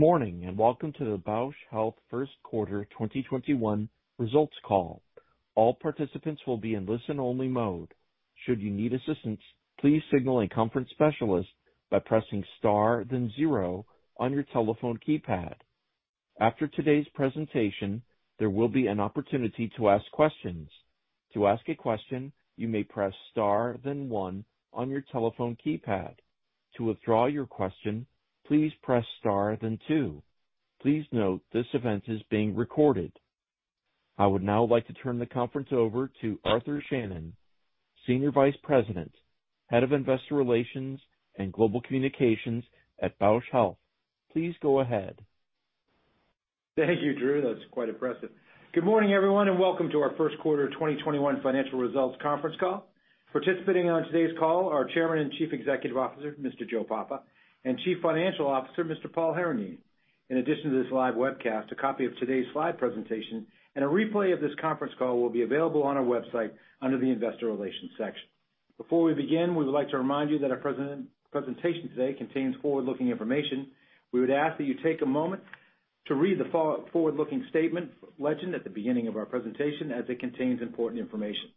Morning, welcome to the Bausch Health 1st Quarter 2021 results call. All participants will be in listen-only mode. Should you need assistance, please signal a conference specialist by pressing star then zero on your telephone keypad. After today's presentation, there will be an opportunity to ask questions. To ask a question, you may press star then one on your telephone keypad. To withdraw your question, please press star then two. Please note this event is being recorded. I would now like to turn the conference over to Arthur Shannon, Senior Vice President, Head of Investor Relations and Global Communications at Bausch Health. Please go ahead. Thank you, Drew. That's quite impressive. Good morning, everyone, and welcome to our 1st quarter 2021 financial results conference call. Participating on today's call are Chairman and Chief Executive Officer, Mr. Joe Papa, and Chief Financial Officer, Mr. Paul Herendeen. In addition to this live webcast, a copy of today's slide presentation and a replay of this conference call will be available on our website under the investor relations section. Before we begin, we would like to remind you that our presentation today contains forward-looking information. We would ask that you take a moment to read the forward-looking statement legend at the beginning of our presentation as it contains important information.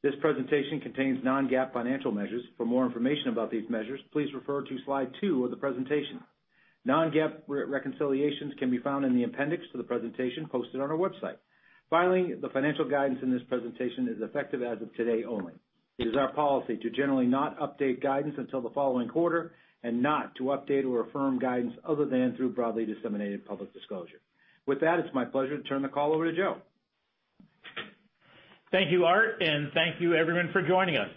This presentation contains non-GAAP financial measures. For more information about these measures, please refer to slide two of the presentation. Non-GAAP reconciliations can be found in the appendix to the presentation posted on our website. The financial guidance in this presentation is effective as of today only. It is our policy to generally not update guidance until the following quarter and not to update or affirm guidance other than through broadly disseminated public disclosure. With that, it's my pleasure to turn the call over to Joe. Thank you, Art, and thank you, everyone, for joining us.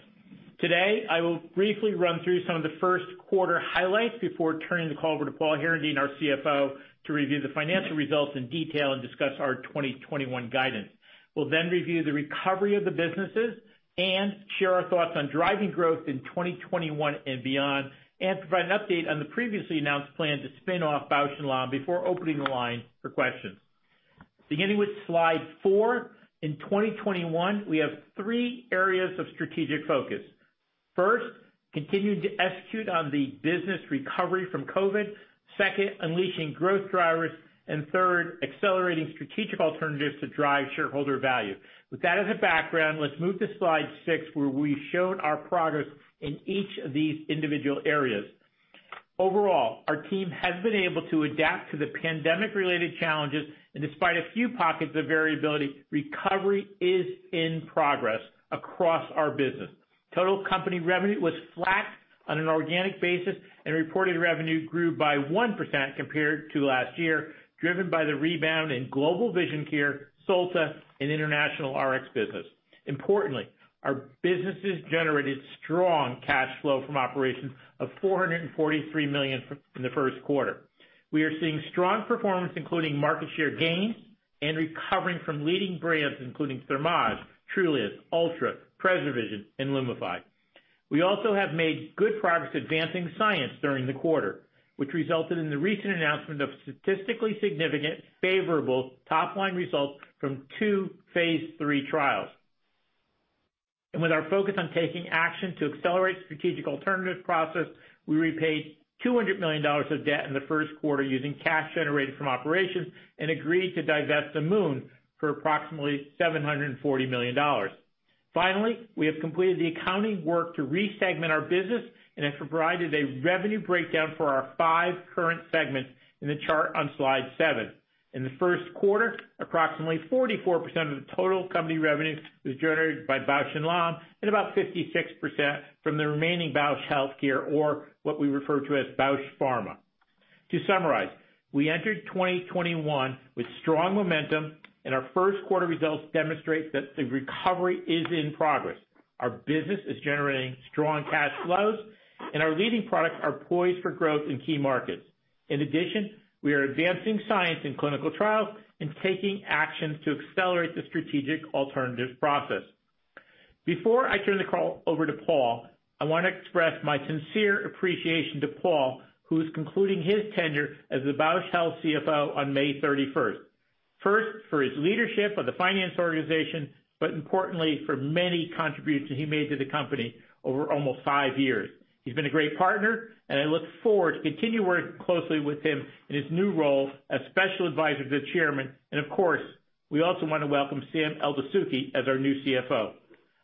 Today, I will briefly run through some of the 1st quarter highlights before turning the call over to Paul Herendeen, our CFO, to review the financial results in detail and discuss our 2021 guidance. We'll then review the recovery of the businesses and share our thoughts on driving growth in 2021 and beyond and provide an update on the previously announced plan to spin off Bausch + Lomb before opening the line for questions. Beginning with slide 4, in 2021, we have three areas of strategic focus. 1st, continuing to execute on the business recovery from COVID. 2nd, unleashing growth drivers. And 3rd, accelerating strategic alternatives to drive shareholder value. With that as a background, let's move to slide 6, where we've shown our progress in each of these individual areas. Overall, our team has been able to adapt to the pandemic-related challenges, and despite a few pockets of variability, recovery is in progress across our business. Total company revenue was flat on an organic basis, and reported revenue grew by 1% compared to last year, driven by the rebound in global vision care, Solta, and international Rx business. Importantly, our businesses generated strong cash flow from operations of $443 million in the 1st quarter. We are seeing strong performance, including market share gains and recovering from leading brands including Thermage, TRULANCE, ULTRA, PreserVision, and LUMIFY. We also have made good progress advancing science during the quarter, which resulted in the recent announcement of statistically significant favorable top-line results from two phase III trials. With our focus on taking action to accelerate strategic alternative process, we repaid $200 million of debt in the 1st quarter using cash generated from operations and agreed to divest Amoun for approximately $740 million. Finally, we have completed the accounting work to re-segment our business and have provided a revenue breakdown for our five current segments in the chart on slide seven. In the 1st quarter, approximately 44% of the total company revenue was generated by Bausch + Lomb and about 56% from the remaining Bausch Health, or what we refer to as Bausch Pharma. To summarize, we entered 2021 with strong momentum, and our 1st quarter results demonstrate that the recovery is in progress. Our business is generating strong cash flows, and our leading products are poised for growth in key markets. In addition, we are advancing science in clinical trials and taking actions to accelerate the strategic alternative process. Before I turn the call over to Paul, I want to express my sincere appreciation to Paul, who is concluding his tenure as the Bausch Health CFO on May 31st. 1st, for his leadership of the finance organization. Importantly, for many contributions he made to the company over almost five years. He's been a great partner, I look forward to continue working closely with him in his new role as special advisor to the Chairman. Of course, we also want to welcome Sam Eldessouky as our new CFO.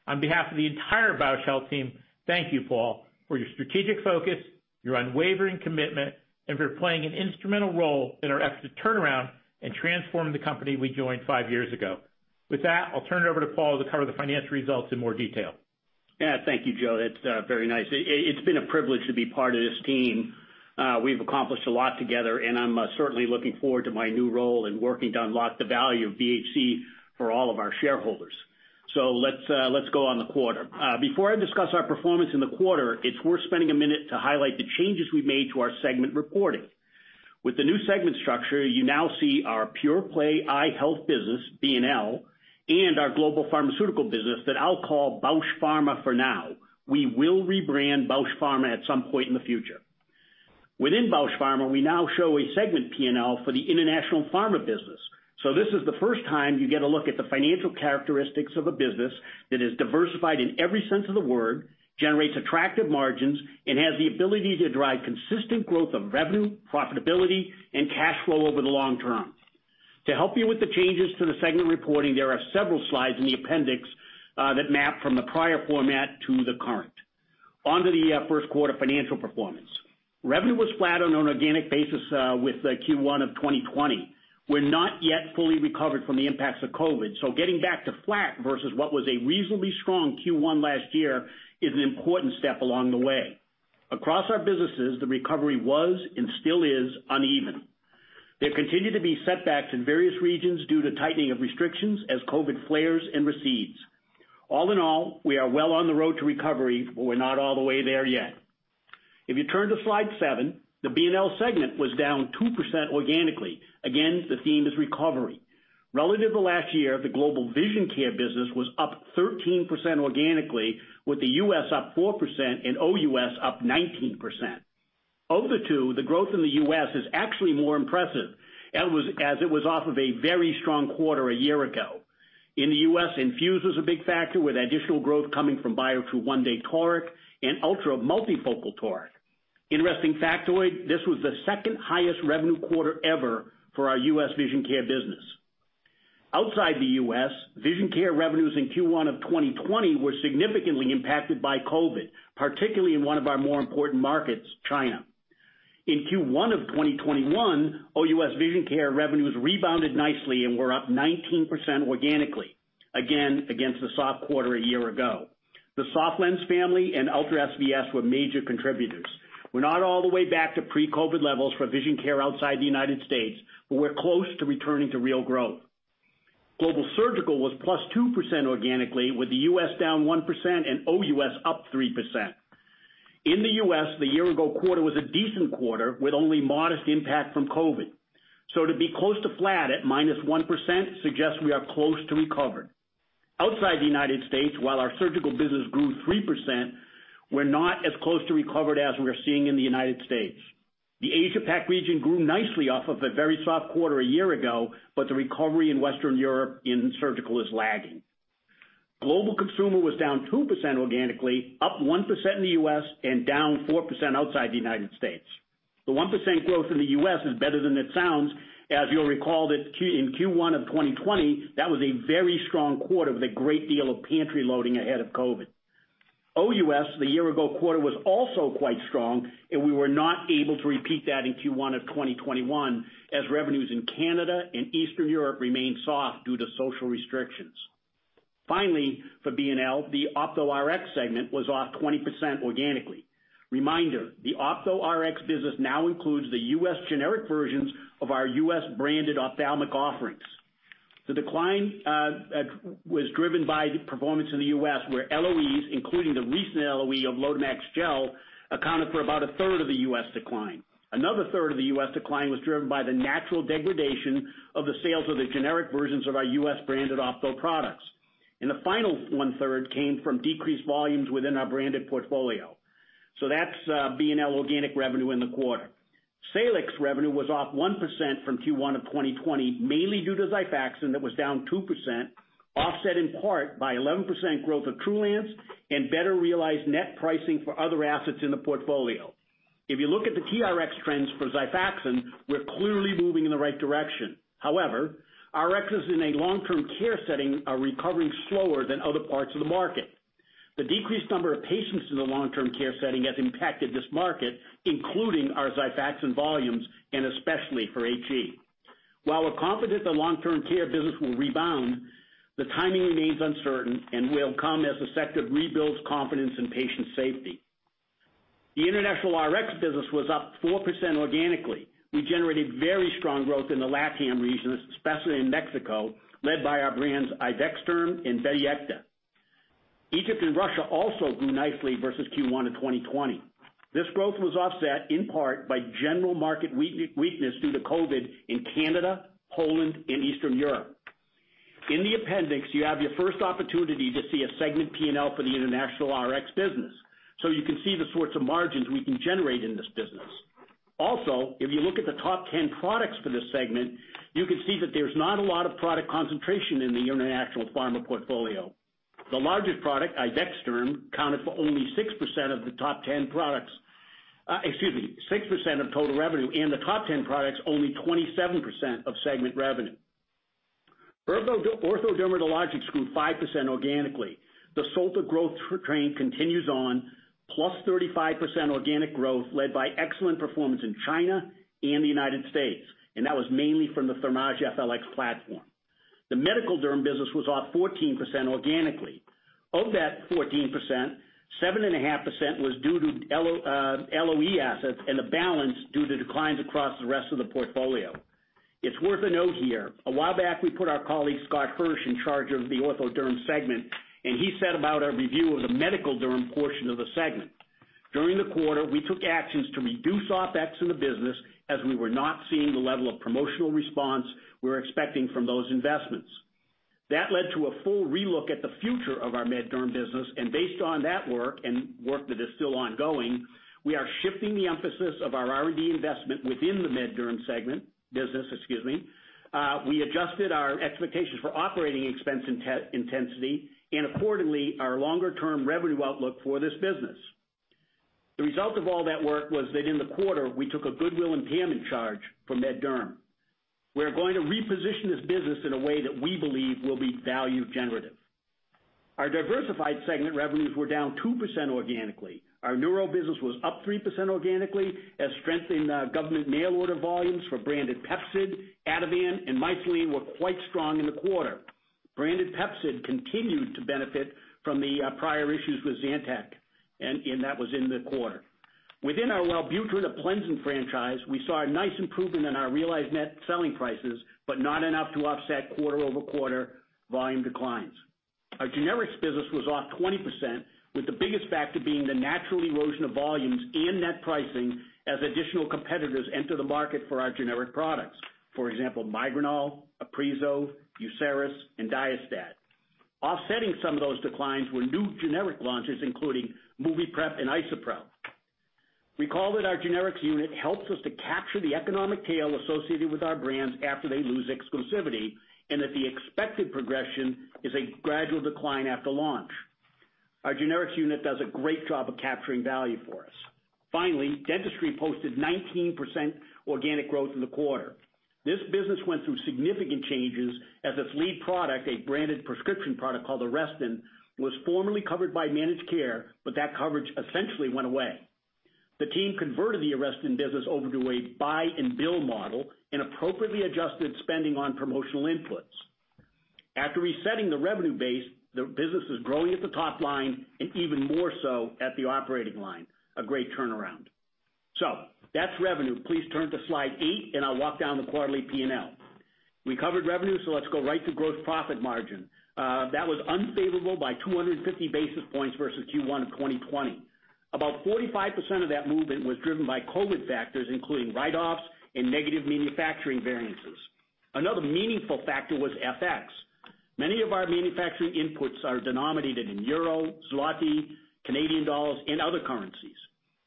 On behalf of the entire Bausch Health team, thank you, Paul, for your strategic focus, your unwavering commitment, and for playing an instrumental role in our effort to turn around and transform the company we joined five years ago. With that, I'll turn it over to Paul to cover the financial results in more detail. Thank you, Joe. That's very nice. It's been a privilege to be part of this team. We've accomplished a lot together. I'm certainly looking forward to my new role in working to unlock the value of BHC for all of our shareholders. Let's go on the quarter. Before I discuss our performance in the quarter, it's worth spending a minute to highlight the changes we've made to our segment reporting. With the new segment structure, you now see our pure play eye health business, B&L, our global pharmaceutical business that I'll call Bausch Pharma for now. We will rebrand Bausch Pharma at some point in the future. Within Bausch Pharma, we now show a segment P&L for the international pharma business. This is the 1st time you get a look at the financial characteristics of a business that is diversified in every sense of the word, generates attractive margins, and has the ability to drive consistent growth of revenue, profitability, and cash flow over the long term. To help you with the changes to the segment reporting, there are several slides in the appendix that map from the prior format to the current. Onto the 1st quarter financial performance. Revenue was flat on an organic basis with Q1 of 2020. We're not yet fully recovered from the impacts of COVID, getting back to flat versus what was a reasonably strong Q1 last year is an important step along the way. Across our businesses, the recovery was, and still is, uneven. There continue to be setbacks in various regions due to tightening of restrictions as COVID flares and recedes. All in all, we are well on the road to recovery, but we're not all the way there yet. If you turn to slide seven, the Bausch + Lomb segment was down 2% organically. Again, the theme is recovery. Relative to last year, the global vision care business was up 13% organically, with the U.S. up 4% and OUS up 19%. Of the two, the growth in the U.S. is actually more impressive, as it was off of a very strong quarter a year ago. In the U.S., INFUSE was a big factor, with additional growth coming from Biotrue ONEday for Astigmatism and ULTRA Multifocal for Astigmatism. Interesting factoid, this was the 2nd highest revenue quarter ever for our U.S. vision care business. Outside the U.S., vision care revenues in Q1 of 2020 were significantly impacted by COVID, particularly in one of our more important markets, China. In Q1 of 2021, OUS vision care revenues rebounded nicely and were up 19% organically, again, against the soft quarter a year ago. The SofLens family and ULTRA SVS were major contributors. We're not all the way back to pre-COVID levels for vision care outside the U.S., but we're close to returning to real growth. Global surgical was +2% organically, with the U.S. -1% and OUS +3%. In the U.S., the year ago quarter was a decent quarter with only modest impact from COVID. To be close to flat at -1% suggests we are close to recovered. Outside the United States, while our surgical business grew 3%, we're not as close to recovered as we are seeing in the United States. The Asia Pac region grew nicely off of a very soft quarter a year ago. The recovery in Western Europe in surgical is lagging. Global consumer was down 2% organically, up 1% in the U.S. and down 4% outside the United States. The 1% growth in the U.S. is better than it sounds, as you'll recall that in Q1 of 2020, that was a very strong quarter with a great deal of pantry loading ahead of COVID. OUS, the year ago quarter was also quite strong. We were not able to repeat that in Q1 of 2021, as revenues in Canada and Eastern Europe remained soft due to social restrictions. Finally, for B&L, the Ophtho Rx segment was off 20% organically. Reminder, the Ophtho Rx business now includes the U.S. generic versions of our U.S. branded ophthalmic offerings. The decline was driven by performance in the U.S., where LOEs, including the recent LOE of LOTEMAX GEL, accounted for about a 3rd of the U.S. decline. Another 3rd of the U.S. decline was driven by the natural degradation of the sales of the generic versions of our U.S. branded Ophtho products. The final 1/3 came from decreased volumes within our branded portfolio. That's B&L organic revenue in the quarter. Salix revenue was off 1% from Q1 of 2020, mainly due to XIFAXAN that was down 2%, offset in part by 11% growth of TRULANCE and better realized net pricing for other assets in the portfolio. If you look at the TRx trends for XIFAXAN, we're clearly moving in the right direction. However, Rxers in a long-term care setting are recovering slower than other parts of the market. The decreased number of patients in the long-term care setting has impacted this market, including our XIFAXAN volumes, and especially for HE. While we're confident the long-term care business will rebound, the timing remains uncertain and will come as the sector rebuilds confidence in patient safety. The international Rx business was up 4% organically. We generated very strong growth in the LatAm region, especially in Mexico, led by our brands IVEXTERM and Bedoyecta. Egypt and Russia also grew nicely versus Q1 of 2020. This growth was offset in part by general market weakness due to COVID in Canada, Poland, and Eastern Europe. In the appendix, you have your 1st opportunity to see a segment P&L for the international Rx business. You can see the sorts of margins we can generate in this business. Also, if you look at the top 10 products for this segment, you can see that there's not a lot of product concentration in the international pharma portfolio. The largest product, IVEXTERM, accounted for only 6% of total revenue and the top 10 products, only 27% of segment revenue. Ortho Dermatologics grew 5% organically. The Solta growth train continues on, +35% organic growth led by excellent performance in China and the United States, and that was mainly from the Thermage FLX platform. The medical derm business was off 14% organically. Of that 14%, 7.5% was due to LOE assets and the balance due to declines across the rest of the portfolio. It's worth a note here. A while back, we put our colleague Scott Hirsch in charge of the Ortho Dermatologics segment, and he set about a review of the medical derm portion of the segment. During the quarter, we took actions to reduce OpEx in the business as we were not seeing the level of promotional response we were expecting from those investments. That led to a full relook at the future of our MedDerm business, and based on that work, and work that is still ongoing, we are shifting the emphasis of our R&D investment within the MedDerm segment business, excuse me. We adjusted our expectations for operating expense intensity and accordingly, our longer-term revenue outlook for this business. The result of all that work was that in the quarter we took a goodwill impairment charge for MedDerm. We are going to reposition this business in a way that we believe will be value generative. Our diversified segment revenues were down 2% organically. Our neural business was up 3% organically as strengthened government mail order volumes for branded PEPCID, Ativan, and MYSOLINE were quite strong in the quarter. Branded PEPCID continued to benefit from the prior issues with Zantac, that was in the quarter. Within our Wellbutrin APLENZIN franchise, we saw a nice improvement in our realized net selling prices, not enough to offset quarter-over-quarter volume declines. Our generics business was off 20%, with the biggest factor being the natural erosion of volumes in net pricing as additional competitors enter the market for our generic products. For example, MIGRANAL, APRISO, UCERIS, and DIASTAT. Offsetting some of those declines were new generic launches, including MoviPrep and Isuprel. Recall that our generics unit helps us to capture the economic tail associated with our brands after they lose exclusivity, and that the expected progression is a gradual decline after launch. Our generics unit does a great job of capturing value for us. Finally, dentistry posted 19% organic growth in the quarter. This business went through significant changes as its lead product, a branded prescription product called ARESTIN, was formerly covered by managed care, but that coverage essentially went away. The team converted the ARESTIN business over to a buy and bill model and appropriately adjusted spending on promotional inputs. After resetting the revenue base, the business is growing at the top line and even more so at the operating line. A great turnaround. That's revenue. Please turn to slide eight and I'll walk down the quarterly P&L. We covered revenue, let's go right to gross profit margin. That was unfavorable by 250 basis points versus Q1 of 2020. About 45% of that movement was driven by COVID factors, including write-offs and negative manufacturing variances. Another meaningful factor was FX. Many of our manufacturing inputs are denominated in euro, zloty, Canadian dollars, and other currencies.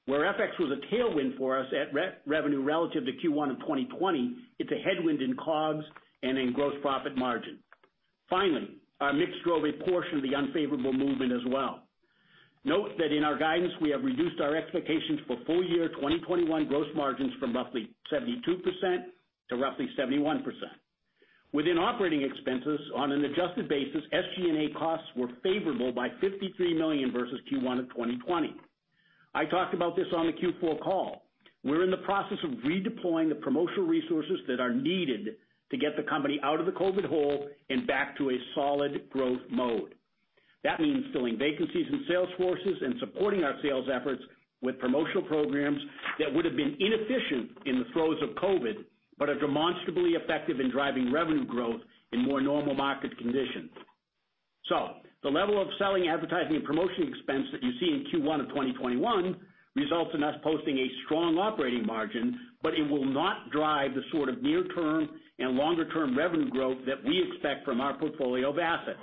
Where FX was a tailwind for us at revenue relative to Q1 of 2020, it's a headwind in COGS and in gross profit margin. Our mix drove a portion of the unfavorable movement as well. Note that in our guidance, we have reduced our expectations for full year 2021 gross margins from roughly 72% to roughly 71%. Within operating expenses on an adjusted basis, SG&A costs were favorable by $53 million versus Q1 of 2020. I talked about this on the Q4 call. We're in the process of redeploying the promotional resources that are needed to get the company out of the COVID hole and back to a solid growth mode. That means filling vacancies in sales forces and supporting our sales efforts with promotional programs that would've been inefficient in the throes of COVID, but are demonstrably effective in driving revenue growth in more normal market conditions. The level of selling, advertising, and promotion expense that you see in Q1 of 2021 results in us posting a strong operating margin, but it will not drive the sort of near term and longer-term revenue growth that we expect from our portfolio of assets.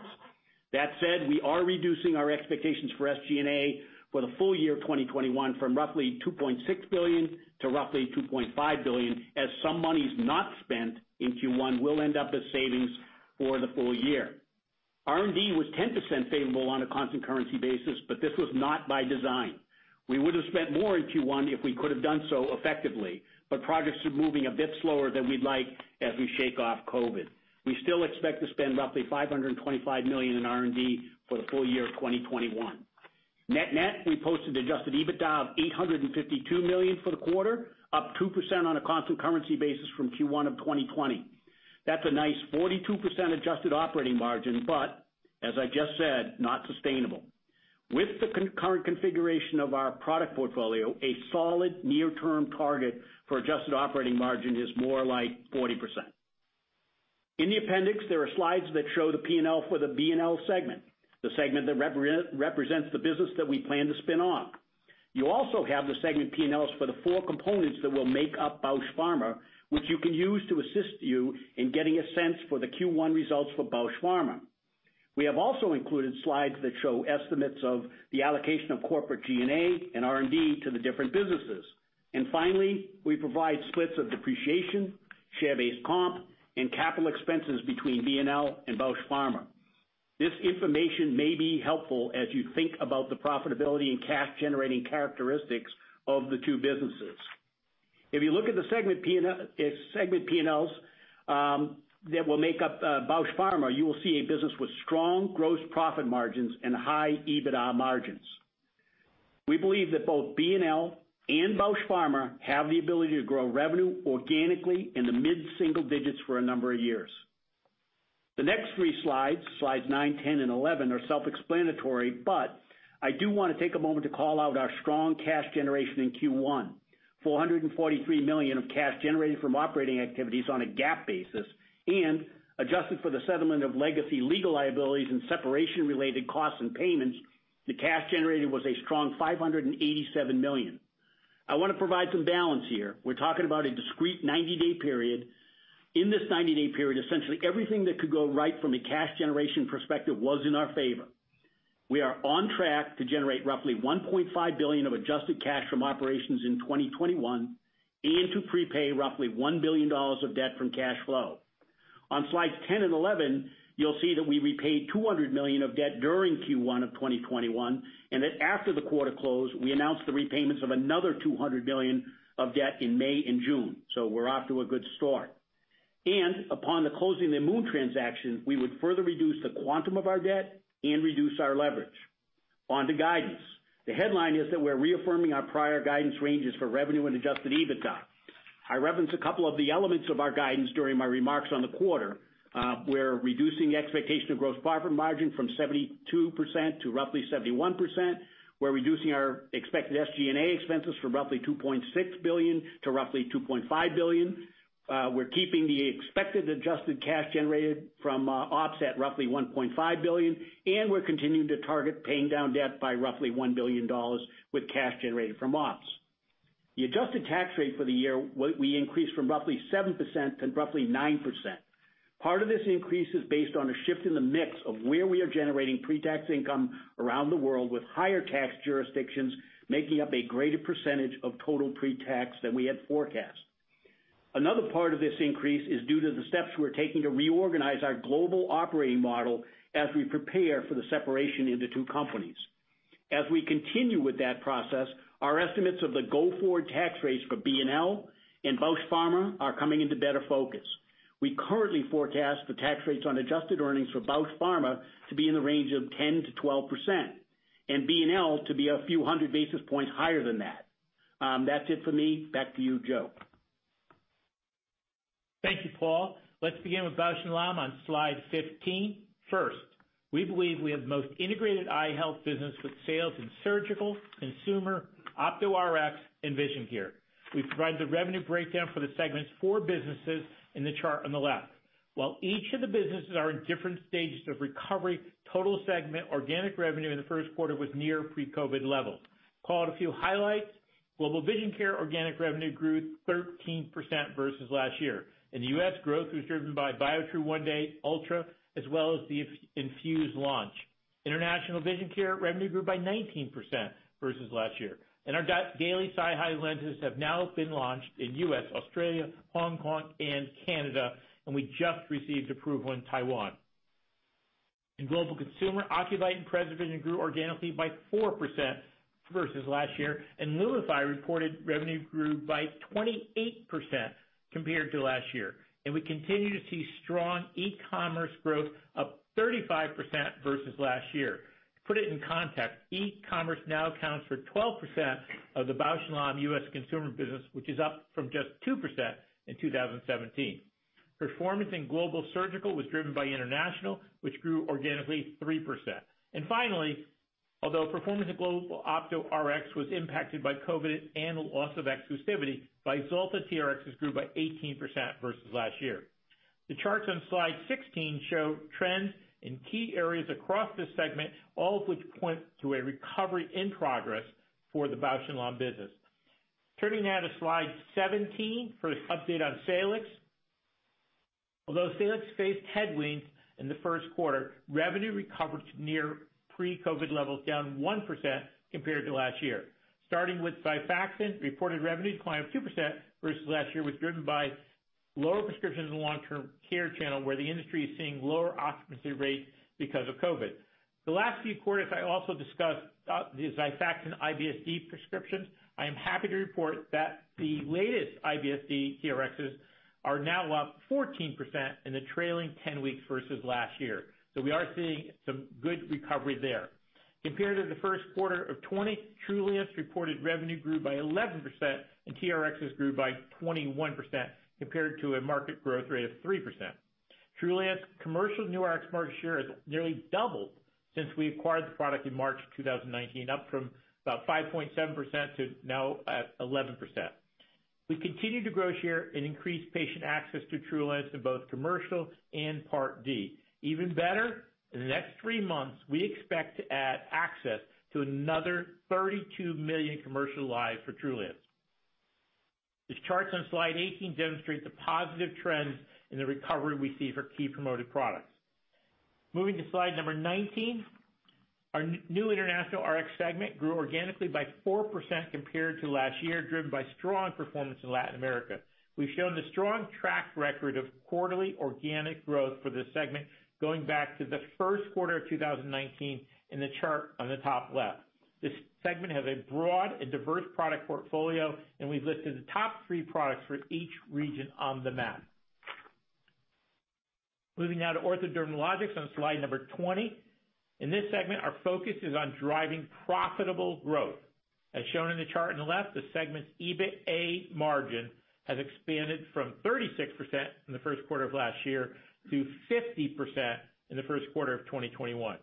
That said, we are reducing our expectations for SG&A for the full year 2021 from roughly $2.6 billion to roughly $2.5 billion, as some money's not spent in Q1 will end up as savings for the full year. R&D was 10% favorable on a constant currency basis, but this was not by design. We would've spent more in Q1 if we could've done so effectively, but projects are moving a bit slower than we'd like as we shake off COVID. We still expect to spend roughly $525 million in R&D for the full year of 2021. Net, we posted adjusted EBITDA of $852 million for the quarter, up 2% on a constant currency basis from Q1 of 2020. That's a nice 42% adjusted operating margin, but as I just said, not sustainable. With the current configuration of our product portfolio, a solid near term target for adjusted operating margin is more like 40%. In the appendix, there are slides that show the P&L for the B&L segment, the segment that represents the business that we plan to spin on. You also have the segment P&Ls for the four components that will make up Bausch Pharma, which you can use to assist you in getting a sense for the Q1 results for Bausch Pharma. We have also included slides that show estimates of the allocation of corporate G&A and R&D to the different businesses. Finally, we provide splits of depreciation, share-based comp, and capital expenses between B&L and Bausch Pharma. This information may be helpful as you think about the profitability and cash-generating characteristics of the two businesses. If you look at the segment P&Ls that will make up Bausch Pharma, you will see a business with strong gross profit margins and high EBITDA margins. We believe that both B&L and Bausch Pharma have the ability to grow revenue organically in the mid-single digits for a number of years. The next three slides nine, 10, and 11, are self-explanatory, but I do want to take a moment to call out our strong cash generation in Q1. $443 million of cash generated from operating activities on a GAAP basis and adjusted for the settlement of legacy legal liabilities and separation-related costs and payments, the cash generated was a strong $587 million. I want to provide some balance here. We're talking about a discrete 90-day period. In this 90-day period, essentially everything that could go right from a cash generation perspective was in our favor. We are on track to generate roughly $1.5 billion of adjusted cash from operations in 2021 and to prepay roughly $1 billion of debt from cash flow. On slides 10 and 11, you'll see that we repaid $200 million of debt during Q1 of 2021, and that after the quarter close, we announced the repayments of another $200 million of debt in May and June. We're off to a good start. Upon the closing the Amoun transaction, we would further reduce the quantum of our debt and reduce our leverage. On to guidance. The headline is that we're reaffirming our prior guidance ranges for revenue and adjusted EBITDA. I referenced a couple of the elements of our guidance during my remarks on the quarter. We're reducing expectation of gross profit margin from 72% to roughly 71%. We're reducing our expected SG&A expenses from roughly $2.6 billion to roughly $2.5 billion. We're keeping the expected adjusted cash generated from ops at roughly $1.5 billion, and we're continuing to target paying down debt by roughly $1 billion with cash generated from ops. The adjusted tax rate for the year, we increased from roughly 7% to roughly 9%. Part of this increase is based on a shift in the mix of where we are generating pre-tax income around the world, with higher tax jurisdictions making up a greater percentage of total pre-tax than we had forecast. Another part of this increase is due to the steps we're taking to reorganize our global operating model as we prepare for the separation into two companies. As we continue with that process, our estimates of the go-forward tax rates for B&L and Bausch Pharma are coming into better focus. We currently forecast the tax rates on adjusted earnings for Bausch Pharma to be in the range of 10%-12%, and B&L to be a few hundred basis points higher than that. That's it for me. Back to you, Joe. Thank you, Paul. Let's begin with Bausch + Lomb on slide 15. 1st, we believe we have the most integrated eye health business with sales in surgical, consumer, Ophtho Rx, and vision care. We provide the revenue breakdown for the segments for businesses in the chart on the left. While each of the businesses are in different stages of recovery, total segment organic revenue in the 1st quarter was near pre-COVID levels. Calling a few highlights. Global vision care organic revenue grew 13% versus last year. In the U.S., growth was driven by Biotrue ONEday, ULTRA, as well as the INFUSE launch. International vision care revenue grew by 19% versus last year. Our daily SiHy lenses have now been launched in U.S., Australia, Hong Kong, and Canada, and we just received approval in Taiwan. In global consumer, Ocuvite and PreserVision grew organically by 4% versus last year. LUMIFY reported revenue grew by 28% compared to last year. We continue to see strong e-commerce growth of 35% versus last year. To put it in context, e-commerce now accounts for 12% of the Bausch + Lomb U.S. consumer business, which is up from just 2% in 2017. Performance in global surgical was driven by international, which grew organically 3%. Finally, although performance of global Ophtho Rx was impacted by COVID and the loss of exclusivity, VYZULTA TRXs grew by 18% versus last year. The charts on slide 16 show trends in key areas across the segment, all of which point to a recovery in progress for the Bausch + Lomb business. Turning now to slide 17 for the update on Salix. Although Salix faced headwinds in the 1st quarter, revenue recovered to near pre-COVID levels, down 1% compared to last year. Starting with XIFAXAN, reported revenues declined 2% versus last year, was driven by lower prescriptions in the long-term care channel where the industry is seeing lower occupancy rates because of COVID. The last few quarters, I also discussed the XIFAXAN IBS-D prescriptions. I am happy to report that the latest IBS-D TRXs are now up 14% in the trailing 10 weeks versus last year. We are seeing some good recovery there. Compared to the 1st quarter of 2020, TRULANCE reported revenue grew by 11%, and TRXs grew by 21% compared to a market growth rate of 3%. TRULANCE commercial new Rx market share has nearly doubled since we acquired the product in March 2019, up from about 5.7% to now at 11%. We've continued to grow share and increase patient access to TRULANCE in both commercial and Part D. Even better, in the next three months, we expect to add access to another 32 million commercial lives for TRULANCE. The charts on slide 18 demonstrate the positive trends in the recovery we see for key promoted products. Moving to slide number 19. Our new international RX segment grew organically by 4% compared to last year, driven by strong performance in Latin America. We've shown the strong track record of quarterly organic growth for this segment, going back to the 1st quarter of 2019 in the chart on the top left. This segment has a broad and diverse product portfolio, and we've listed the top three products for each region on the map. Moving now to Ortho Dermatologics on slide number 20. In this segment, our focus is on driving profitable growth. As shown in the chart on the left, the segment's EBITA margin has expanded from 36% in the 1st quarter of last year to 50% in the 1st quarter of 2021.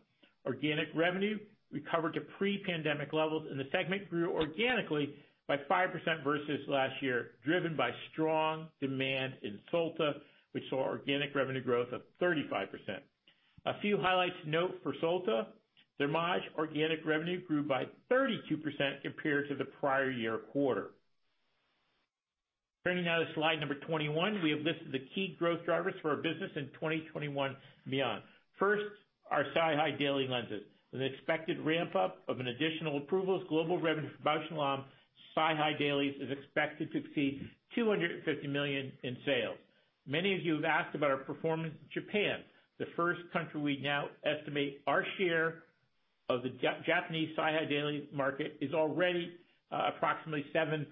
Organic revenue recovered to pre-pandemic levels, and the segment grew organically by 5% versus last year, driven by strong demand in Solta, which saw organic revenue growth of 35%. A few highlights to note for Solta. Thermage organic revenue grew by 32% compared to the prior year quarter. Turning now to slide number 21, we have listed the key growth drivers for our business in 2021 and beyond. 1st, our SiHy daily lenses. With an expected ramp-up of an additional approvals global revenue for Bausch + Lomb, SiHy dailies is expected to exceed $250 million in sales. Many of you have asked about our performance in Japan, the 1st country we now estimate our share of the Japanese SiHy dailies market is already approximately 7%.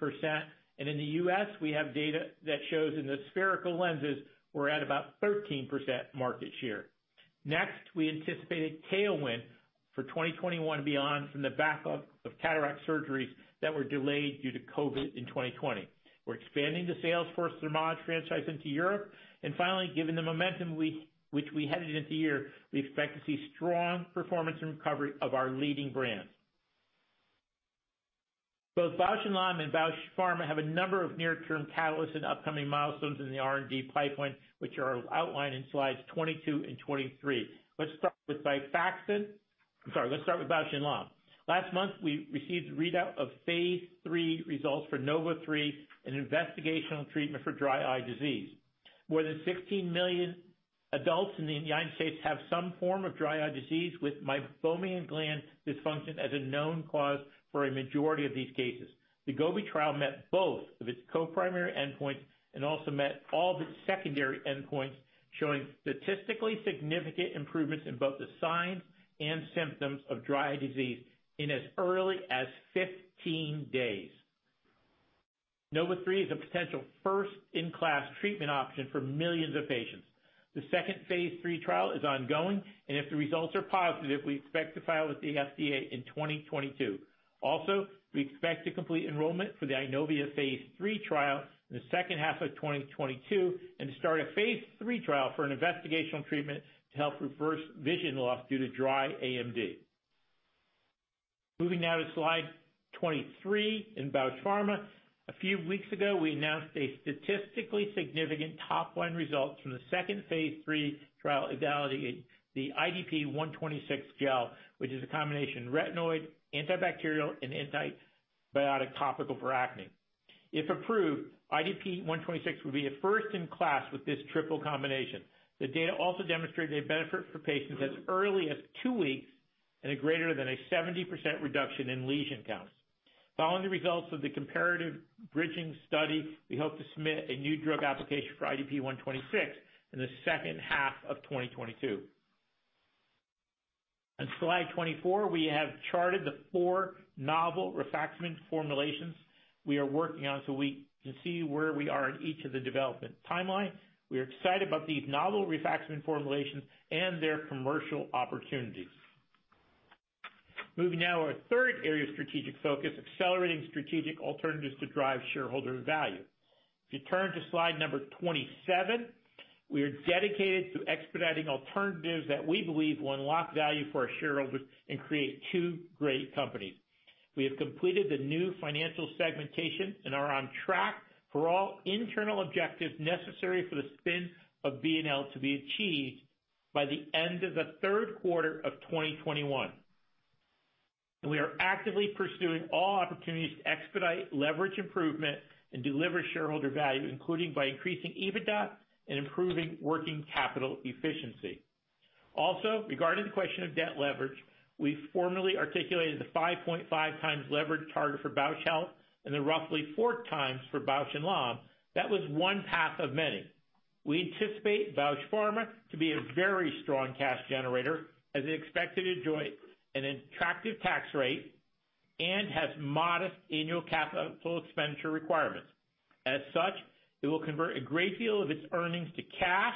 In the U.S., we have data that shows in the spherical lenses, we're at about 13% market share. Next, we anticipated tailwind for 2021 beyond from the backup of cataract surgeries that were delayed due to COVID in 2020. We're expanding the sales force Thermage franchise into Europe. Finally, given the momentum which we headed into the year, we expect to see strong performance and recovery of our leading brands. Both Bausch + Lomb and Bausch Pharma have a number of near-term catalysts and upcoming milestones in the R&D pipeline, which are outlined in slides 22 and 23. Let's start with Bausch + Lomb. Last month, we received readout of phase III results for NOV03, an investigational treatment for Dry Eye Disease. More than 16 million adults in the United States have some form of Dry Eye Disease with Meibomian gland dysfunction as a known cause for a majority of these cases. The GOBI trial met both of its co-primary endpoints and also met all of its secondary endpoints, showing statistically significant improvements in both the signs and symptoms of Dry Eye Disease in as early as 15 days. NOV03 is a potential first-in-class treatment option for millions of patients. The 2nd phase III trial is ongoing, and if the results are positive, we expect to file with the FDA in 2022. We expect to complete enrollment for the iNova phase III trial in the 2nd half of 2022 and to start a phase III trial for an investigational treatment to help reverse vision loss due to dry AMD. Moving now to slide 23 in Bausch Health. A few weeks ago, we announced a statistically significant top-line result from the 2nd phase III trial evaluating the IDP-126 gel, which is a combination retinoid, antibacterial, and antibiotic topical for acne. If approved, IDP-126 would be a 1st in class with this triple combination. The data also demonstrated a benefit for patients as early as two weeks and a greater than a 70% reduction in lesion counts. Following the results of the comparative bridging study, we hope to submit a new drug application for IDP-126 in the 2nd half of 2022. On slide 24, we have charted the four novel rifaximin formulations we are working on so we can see where we are in each of the development timelines. We are excited about these novel rifaximin formulations and their commercial opportunities. Moving now to our 3rd area of strategic focus, accelerating strategic alternatives to drive shareholder value. If you turn to slide number 27, we are dedicated to expediting alternatives that we believe will unlock value for our shareholders and create two great companies. We have completed the new financial segmentation and are on track for all internal objectives necessary for the spin of B&L to be achieved by the end of the 3rd quarter of 2021. We are actively pursuing all opportunities to expedite leverage improvement and deliver shareholder value, including by increasing EBITDA and improving working capital efficiency. Regarding the question of debt leverage, we formally articulated the 5.5x leverage target for Bausch Health and then roughly 4x for Bausch + Lomb. That was one path of many. We anticipate Bausch Pharma to be a very strong cash generator, as it is expected to enjoy an attractive tax rate and has modest annual capital expenditure requirements. As such, it will convert a great deal of its earnings to cash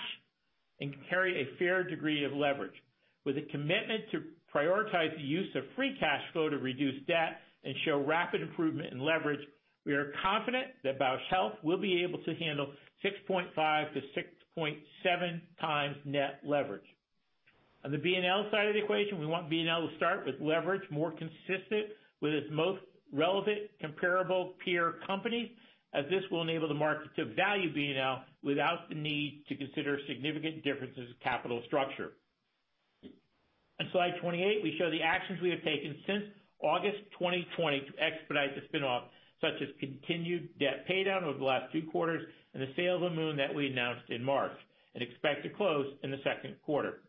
and carry a fair degree of leverage. With a commitment to prioritize the use of free cash flow to reduce debt and show rapid improvement in leverage, we are confident that Bausch Health will be able to handle 6.5x-6.7x net leverage. On the B&L side of the equation, we want B&L to start with leverage more consistent with its most relevant comparable peer companies, as this will enable the market to value B&L without the need to consider significant differences in capital structure. On slide 28, we show the actions we have taken since August 2020 to expedite the spin-off, such as continued debt paydown over the last two quarters and the sale of Amoun that we announced in March and expect to close in the 2nd quarter.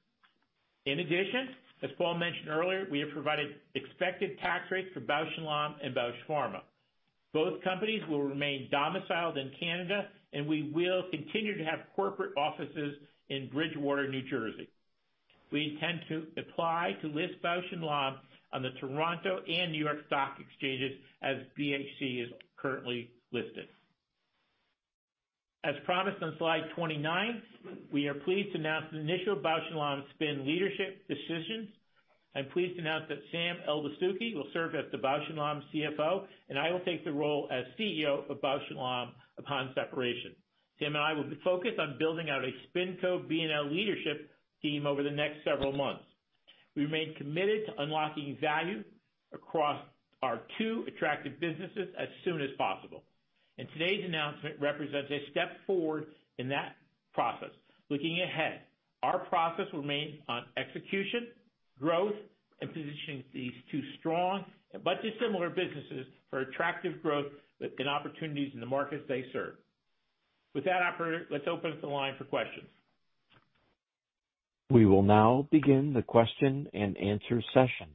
As Paul mentioned earlier, we have provided expected tax rates for Bausch + Lomb and Bausch Pharma. Both companies will remain domiciled in Canada, and we will continue to have corporate offices in Bridgewater, New Jersey. We intend to apply to list Bausch + Lomb on the Toronto and New York Stock Exchanges as BHC is currently listed. As promised on slide 29, we are pleased to announce the initial Bausch + Lomb spin leadership decisions. I'm pleased to announce that Sam Eldessouky will serve as the Bausch + Lomb CFO, and I will take the role as CEO of Bausch + Lomb upon separation. Sam and I will be focused on building out a spinco B&L leadership team over the next several months. We remain committed to unlocking value across our two attractive businesses as soon as possible, and today's announcement represents a step forward in that process. Looking ahead, our process remains on execution, growth, and positioning these two strong but dissimilar businesses for attractive growth and opportunities in the markets they serve. With that, operator, let's open up the line for questions. We will now begin the question-and-answer session.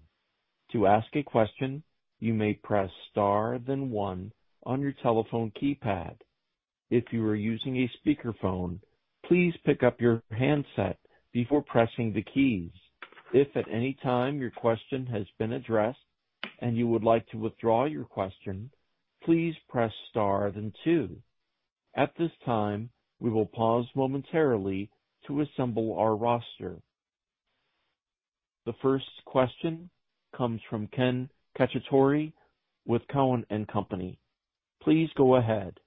To ask a question, you may press star then one on your telephone keypad. If you are using a speakerphone, please pick up your handset before pressing the keys. If at any time your question has been addressed and you would like to withdraw your question, please press star then two. At this time, we will pause momentarily to assemble our roster. The 1st question comes from Ken Cacciatore with Cowen and Company. Please go ahead.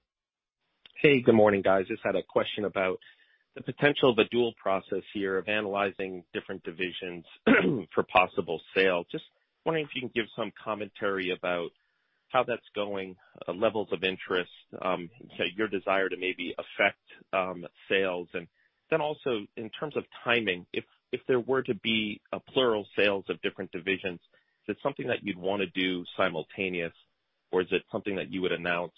Hey, good morning, guys. Just had a question about the potential of a dual process here of analyzing different divisions for possible sale. Just wondering if you can give some commentary about how that's going, levels of interest, say, your desire to maybe affect sales. Also in terms of timing, if there were to be a plural sales of different divisions, is it something that you'd want to do simultaneous, or is it something that you would announce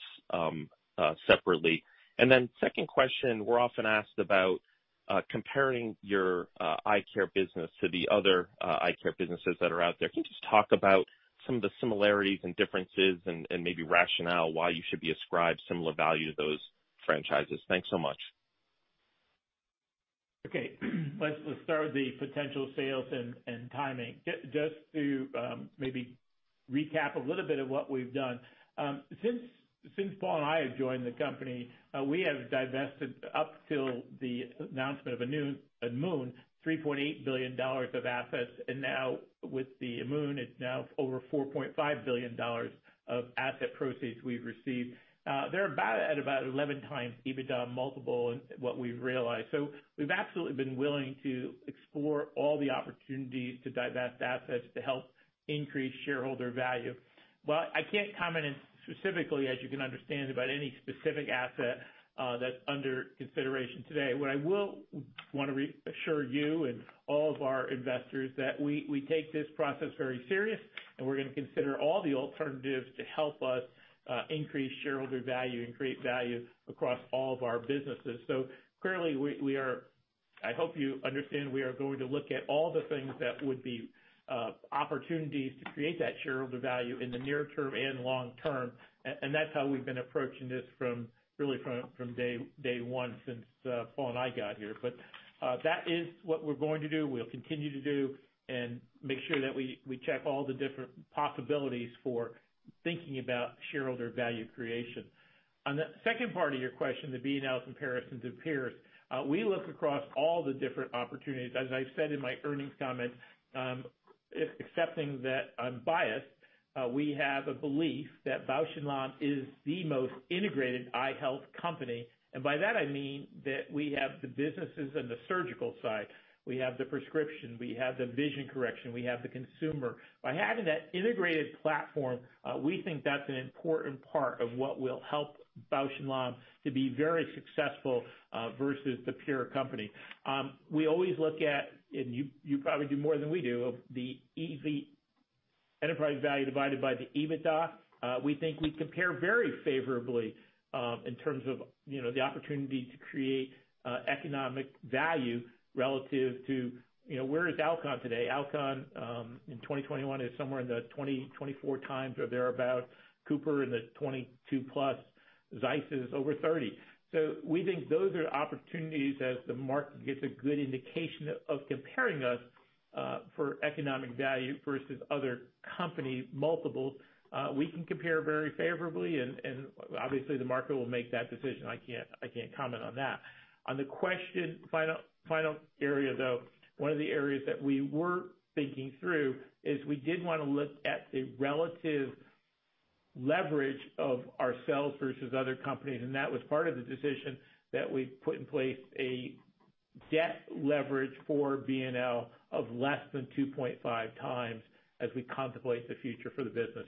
separately? 2nd question, we're often asked about comparing your eye care business to the other eye care businesses that are out there. Can you just talk about some of the similarities and differences and maybe rationale why you should be ascribed similar value to those franchises? Thanks so much. Okay. Let's start with the potential sales and timing. Just to maybe recap a little bit of what we've done. Since Paul and I have joined the company, we have divested up till the announcement of Amoun, $3.8 billion of assets, and now with the Amoun, it's now over $4.5 billion of asset proceeds we've received. They're at about 11 times EBITDA multiple in what we've realized. We've absolutely been willing to explore all the opportunities to divest assets to help increase shareholder value. I can't comment specifically, as you can understand, about any specific asset that's under consideration today. What I will want to reassure you and all of our investors, that we take this process very serious, and we're going to consider all the alternatives to help us increase shareholder value and create value across all of our businesses. Clearly, I hope you understand we are going to look at all the things that would be opportunities to create that shareholder value in the near term and long term. That's how we've been approaching this really from day one since Paul and I got here. That is what we're going to do, we'll continue to do, and make sure that we check all the different possibilities for thinking about shareholder value creation. On the 2nd part of your question, the B&L comparison to peers. We look across all the different opportunities. As I said in my earnings comments, accepting that I'm biased, we have a belief that Bausch + Lomb is the most integrated eye health company, and by that I mean that we have the businesses and the surgical side. We have the prescription, we have the vision correction, we have the consumer. By having that integrated platform, we think that's an important part of what will help Bausch + Lomb to be very successful, versus the peer company. We always look at, and you probably do more than we do, of the EV, enterprise value divided by the EBITDA. We think we compare very favorably, in terms of the opportunity to create economic value relative to where is Alcon today. Alcon, in 2021, is somewhere in the 20x, 24x or thereabout. Cooper in the 22+. Zeiss is over 30x. We think those are opportunities as the market gets a good indication of comparing us for economic value versus other company multiples. We can compare very favorably and obviously the market will make that decision. I can't comment on that. On the question, final area, though, one of the areas that we were thinking through is we did want to look at the relative leverage of ourselves versus other companies, and that was part of the decision that we put in place a debt leverage for B&L of less than 2.5x as we contemplate the future for the business.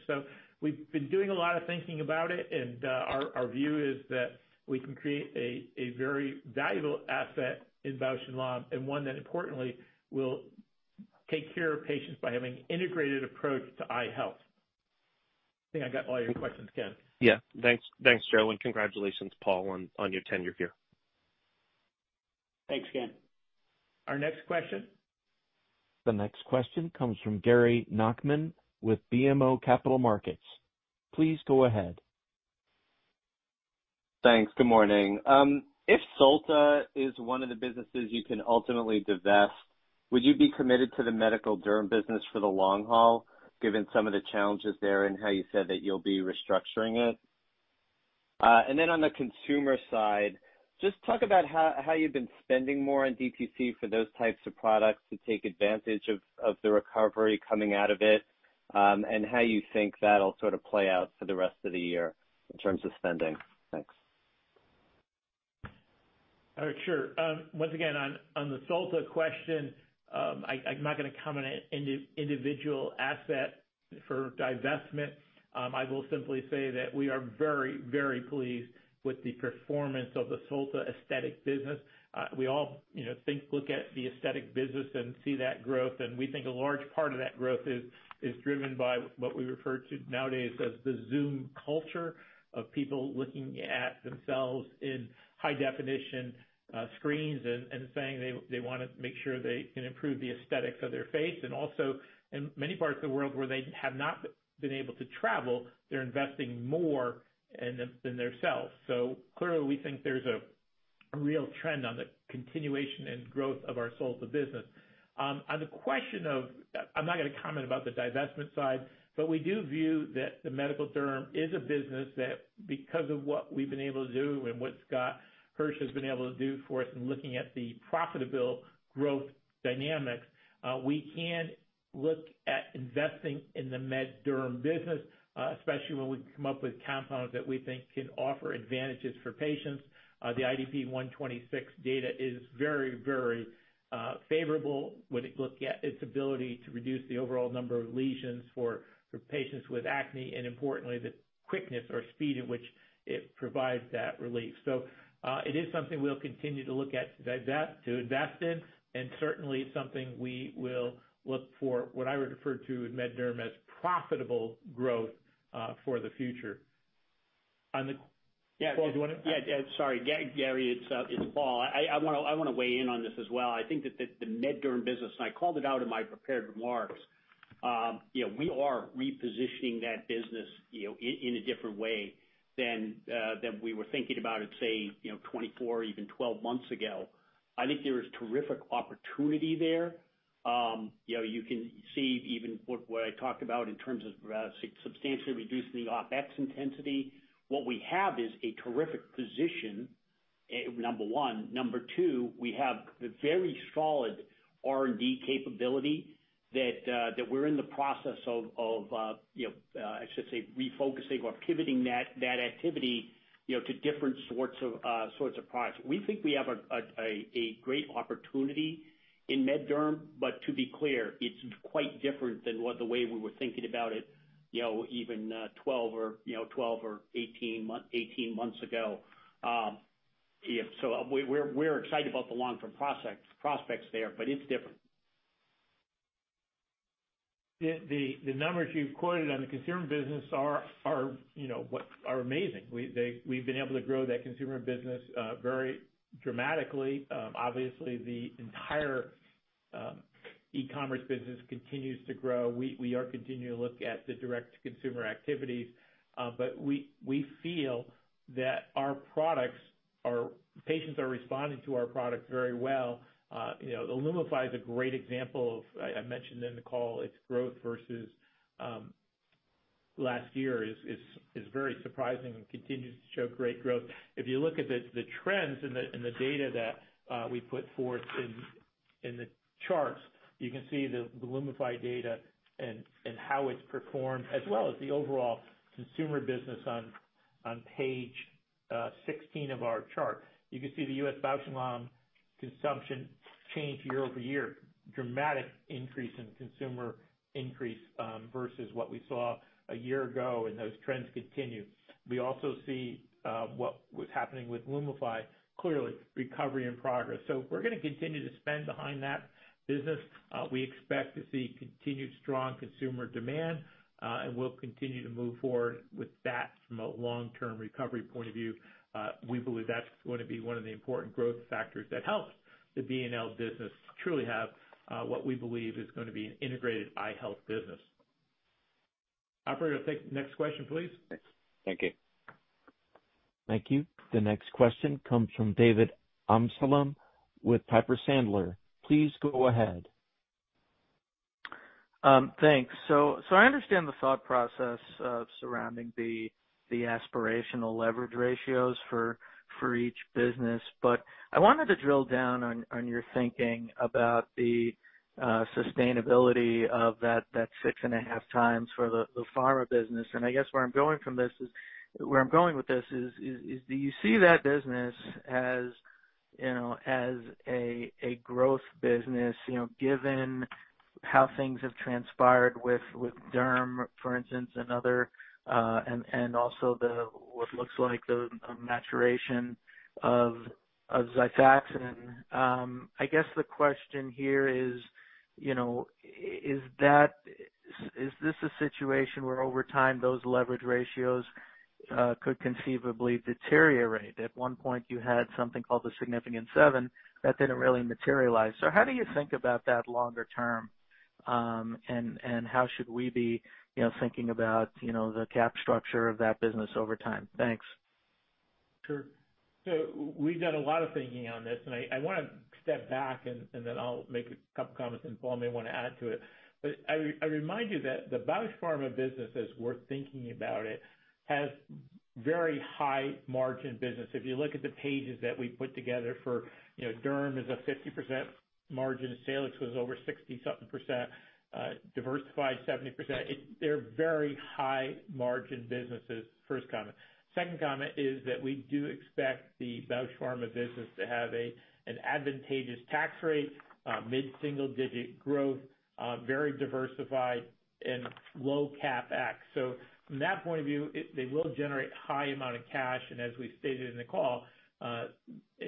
We've been doing a lot of thinking about it, and our view is that we can create a very valuable asset in Bausch + Lomb and one that importantly will take care of patients by having integrated approach to eye health. I think I got all your questions, Ken. Yeah. Thanks, Joe, and congratulations, Paul, on your tenure here. Thanks, Ken. Our next question. The next question comes from Gary Nachman with BMO Capital Markets. Please go ahead. Thanks. Good morning. If Solta is one of the businesses you can ultimately divest, would you be committed to the medical derm business for the long haul, given some of the challenges there and how you said that you'll be restructuring it? Then on the consumer side, just talk about how you've been spending more on DTC for those types of products to take advantage of the recovery coming out of it, and how you think that'll sort of play out for the rest of the year in terms of spending. Thanks. Sure. Once again, on the Solta question, I'm not going to comment on any individual asset for divestment. I will simply say that we are very, very pleased with the performance of the Solta aesthetic business. We all think, look at the aesthetic business and see that growth, and we think a large part of that growth is driven by what we refer to nowadays as the Zoom culture of people looking at themselves in high-definition screens and saying they want to make sure they can improve the aesthetics of their face. Also, in many parts of the world where they have not been able to travel, they're investing more in themselves. Clearly, we think there's a real trend on the continuation and growth of our Solta business. I'm not going to comment about the divestment side, we do view that the medical derm is a business that, because of what we've been able to do and what Scott Hirsch has been able to do for us in looking at the profitable growth dynamics, we can look at investing in the MedDerm business, especially when we come up with compounds that we think can offer advantages for patients. The IDP-126 data is very, very favorable when you look at its ability to reduce the overall number of lesions for patients with acne, and importantly, the quickness or speed at which it provides that relief. It is something we'll continue to look at to invest in, and certainly something we will look for, what I would refer to in MedDerm as profitable growth for the future. Yeah. Paul, do you want to? Yeah. Sorry, Gary, it's Paul. I want to weigh in on this as well. I think that the MedDerm business. I called it out in my prepared remarks. We are repositioning that business in a different way than we were thinking about it, say, 24, even 12 months ago. I think there is terrific opportunity there. You can see even what I talked about in terms of substantially reducing the OpEx intensity. What we have is a terrific position, number one. Number two, we have a very solid R&D capability that we're in the process of, I should say, refocusing or pivoting that activity to different sorts of projects. We think we have a great opportunity in MedDerm. To be clear, it's quite different than what the way we were thinking about it even 12 or 18 months ago. We're excited about the long-term prospects there, but it's different. The numbers you've quoted on the consumer business are amazing. We've been able to grow that consumer business very dramatically. Obviously, the entire e-commerce business continues to grow. We are continuing to look at the direct-to-consumer activities, but we feel that our products are patients responding to our products very well. The LUMIFY is a great example of, I mentioned in the call, its growth versus last year is very surprising and continues to show great growth. If you look at the trends and the data that we put forth in the charts, you can see the LUMIFY data and how it's performed, as well as the overall consumer business on page 16 of our chart. You can see the U.S. Bausch + Lomb consumption change year-over-year. Dramatic increase in consumer increase versus what we saw a year ago, and those trends continue. We also see what was happening with LUMIFY, clearly recovery in progress. We're going to continue to spend behind that business. We expect to see continued strong consumer demand, and we'll continue to move forward with that from a long-term recovery point of view. We believe that's going to be one of the important growth factors that helps the B&L business truly have what we believe is going to be an integrated eye health business. Operator, take the next question, please. Thanks. Thank you. Thank you. The next question comes from David Amsellem with Piper Sandler. Please go ahead. Thanks. I understand the thought process surrounding the aspirational leverage ratios for each business. I wanted to drill down on your thinking about the sustainability of that six and a half times for the pharma business. I guess where I'm going with this is, do you see that business as a growth business, given how things have transpired with derm, for instance, and also what looks like the maturation of XIFAXAN? I guess the question here is this a situation where over time, those leverage ratios could conceivably deteriorate? At one point, you had something called the Significant Seven that didn't really materialize. How do you think about that longer term? How should we be thinking about the cap structure of that business over time? Thanks. Sure. We've done a lot of thinking on this, and I want to step back and then I'll make a couple comments and Paul may want to add to it. I remind you that the Bausch Pharma business, as we're thinking about it, has very high margin business. If you look at the pages that we put together for Derm is a 50% margin of sale. It was over 60-something percent, diversified 70%. They're very high margin businesses. 1st comment. 2nd comment is that we do expect the Bausch Pharma business to have an advantageous tax rate, mid-single digit growth, very diversified, and low CapEx. From that point of view, they will generate high amount of cash, and as we stated in the call, a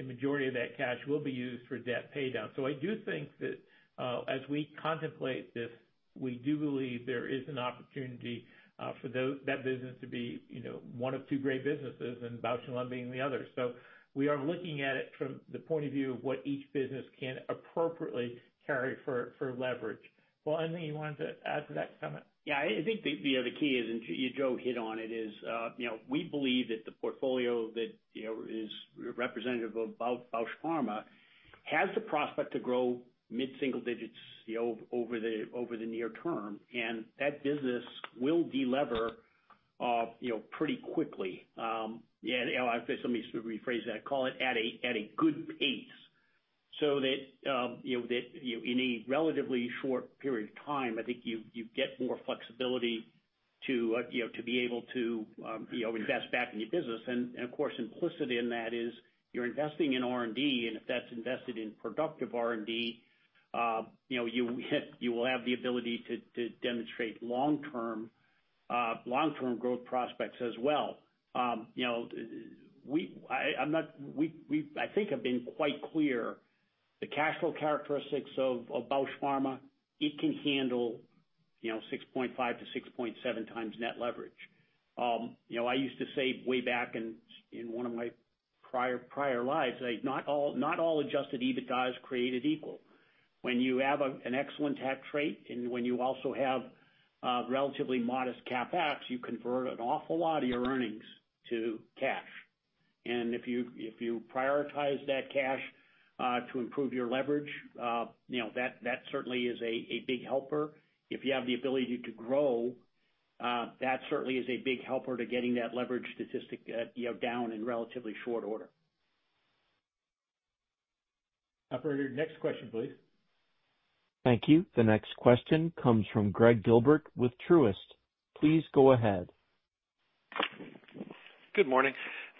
majority of that cash will be used for debt paydown. I do think that as we contemplate this, we do believe there is an opportunity for that business to be one of two great businesses, and Bausch + Lomb being the other. We are looking at it from the point of view of what each business can appropriately carry for leverage. Paul, anything you wanted to add to that comment? Yeah, I think the key is, and Joe hit on it, is we believe that the portfolio that is representative of Bausch Pharma has the prospect to grow mid-single digits over the near term, and that business will de-lever pretty quickly. Let me rephrase that. Call it at a good pace. That in a relatively short period of time, I think you get more flexibility to be able to invest back in your business. Of course, implicit in that is you're investing in R&D, and if that's invested in productive R&D, you will have the ability to demonstrate long-term growth prospects as well. I think I've been quite clear. The cash flow characteristics of Bausch Pharma, it can handle 6.5x-6.7x net leverage. I used to say way back in one of my prior lives, not all adjusted EBITDAs created equal. When you have an excellent tax rate and when you also have a relatively modest CapEx, you convert an awful lot of your earnings to cash. If you prioritize that cash to improve your leverage, that certainly is a big helper. If you have the ability to grow, that certainly is a big helper to getting that leverage statistic down in relatively short order. Operator, next question, please. Thank you. The next question comes from Gregg Gilbert with Truist. Please go ahead. Good morning.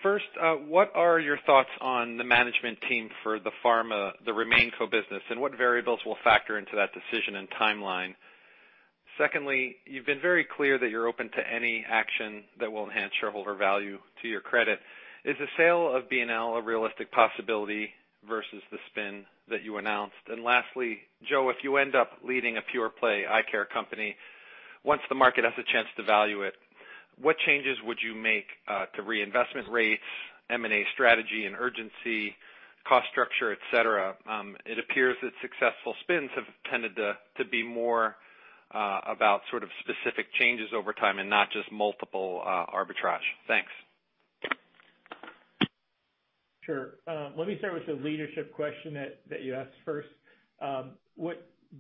1st, what are your thoughts on the management team for the pharma, the RemainCo business, and what variables will factor into that decision and timeline? secondly, you've been very clear that you're open to any action that will enhance shareholder value to your credit. Is the sale of B&L a realistic possibility versus the spin that you announced? Lastly, Joe, if you end up leading a pure play eye care company, once the market has a chance to value it, what changes would you make to reinvestment rates, M&A strategy and urgency, cost structure, et cetera? It appears that successful spins have tended to be more about sort of specific changes over time and not just multiple arbitrage. Thanks. Sure. Let me start with the leadership question that you asked first.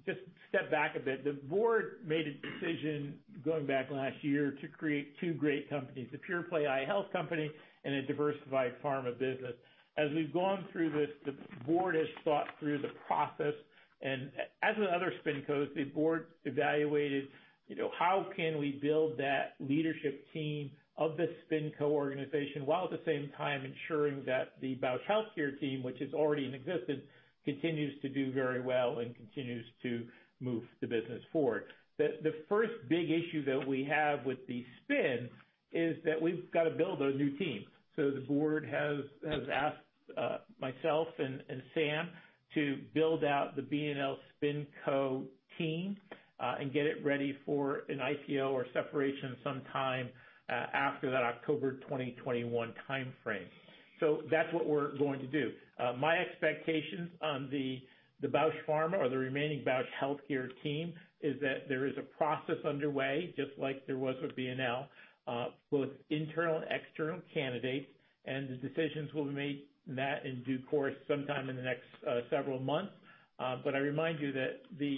Just step back a bit. The board made a decision going back last year to create two great companies, a pure play eye health company and a diversified pharma business. As we've gone through this, the board has thought through the process, as with other SpinCos, the board evaluated how can we build that leadership team of the SpinCo organization while at the same time ensuring that the Bausch Health Care team, which is already in existence, continues to do very well and continues to move the business forward. The 1st big issue that we have with the spin is that we've got to build a new team. The board has asked myself and Sam to build out the Bausch + Lomb SpinCo team and get it ready for an IPO or separation sometime after that October 2021 timeframe. That's what we're going to do. My expectations on the Bausch Pharma or the remaining Bausch Health team is that there is a process underway, just like there was with Bausch + Lomb, both internal and external candidates, and the decisions will be made in due course sometime in the next several months. I remind you that the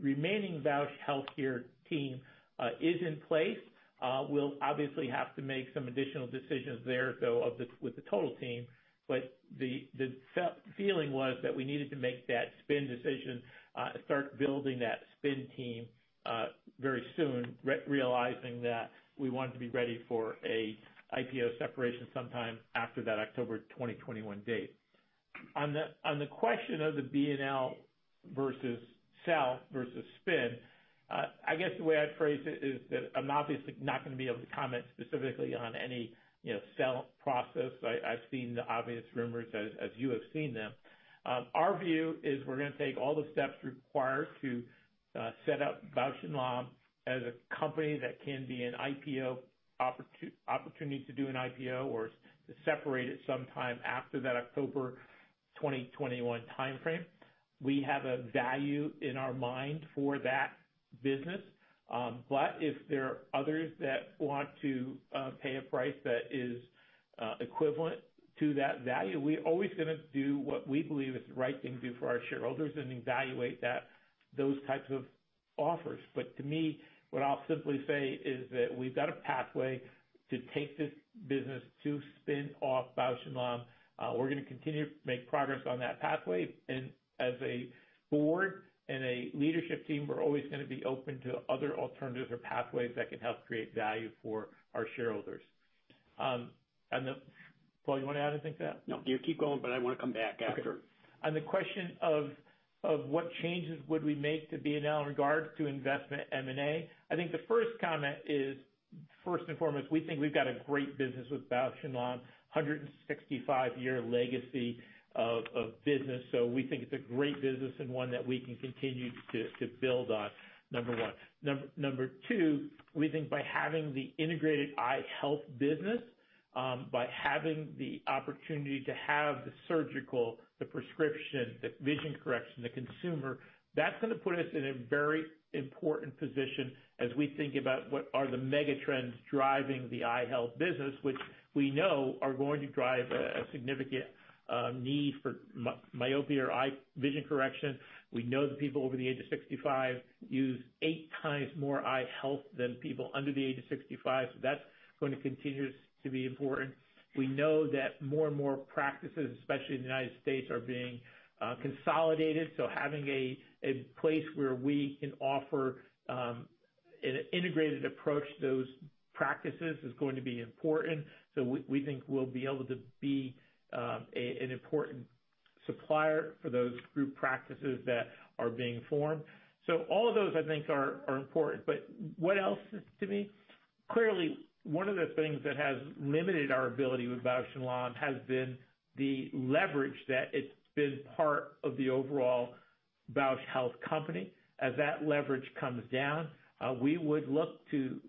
remaining Bausch Health team is in place. We'll obviously have to make some additional decisions there, though, with the total team. The feeling was that we needed to make that spin decision, start building that spin team very soon, realizing that we wanted to be ready for a IPO separation sometime after that October 2021 date. On the question of the B&L versus sell versus spin, I guess the way I'd phrase it is that I'm obviously not going to be able to comment specifically on any sell process. I've seen the obvious rumors as you have seen them. Our view is we're going to take all the steps required to set up Bausch + Lomb as a company that can be an opportunity to do an IPO or separate it sometime after that October 2021 timeframe. We have a value in our mind for that business. If there are others that want to pay a price that is equivalent to that value, we're always going to do what we believe is the right thing to do for our shareholders and evaluate those types of offers. To me, what I'll simply say is that we've got a pathway to take this business to spin off Bausch + Lomb. We're going to continue to make progress on that pathway. As a board and a leadership team, we're always going to be open to other alternatives or pathways that can help create value for our shareholders. Paul, you want to add anything to that? No, you keep going, but I want to come back after. Okay. On the question of what changes would we make to B&L in regards to investment M&A, I think the 1st comment is, 1st and foremost, we think we've got a great business with Bausch + Lomb, 165-year legacy of business. We think it's a great business and one that we can continue to build on, number one. Number two, we think by having the integrated eye health business, by having the opportunity to have the surgical, the prescription, the vision correction, the consumer, that's going to put us in a very important position as we think about what are the mega trends driving the eye health business, which we know are going to drive a significant need for myopia or eye vision correction. We know that people over the age of 65 use eight times more eye health than people under the age of 65. That's going to continue to be important. We know that more and more practices, especially in the U.S., are being consolidated. Having a place where we can offer an integrated approach to those practices is going to be important. We think we'll be able to be an important supplier for those group practices that are being formed. All of those, I think, are important. What else? To me, clearly one of the things that has limited our ability with Bausch + Lomb has been the leverage that it's been part of the overall Bausch Health company. As that leverage comes down, we would look to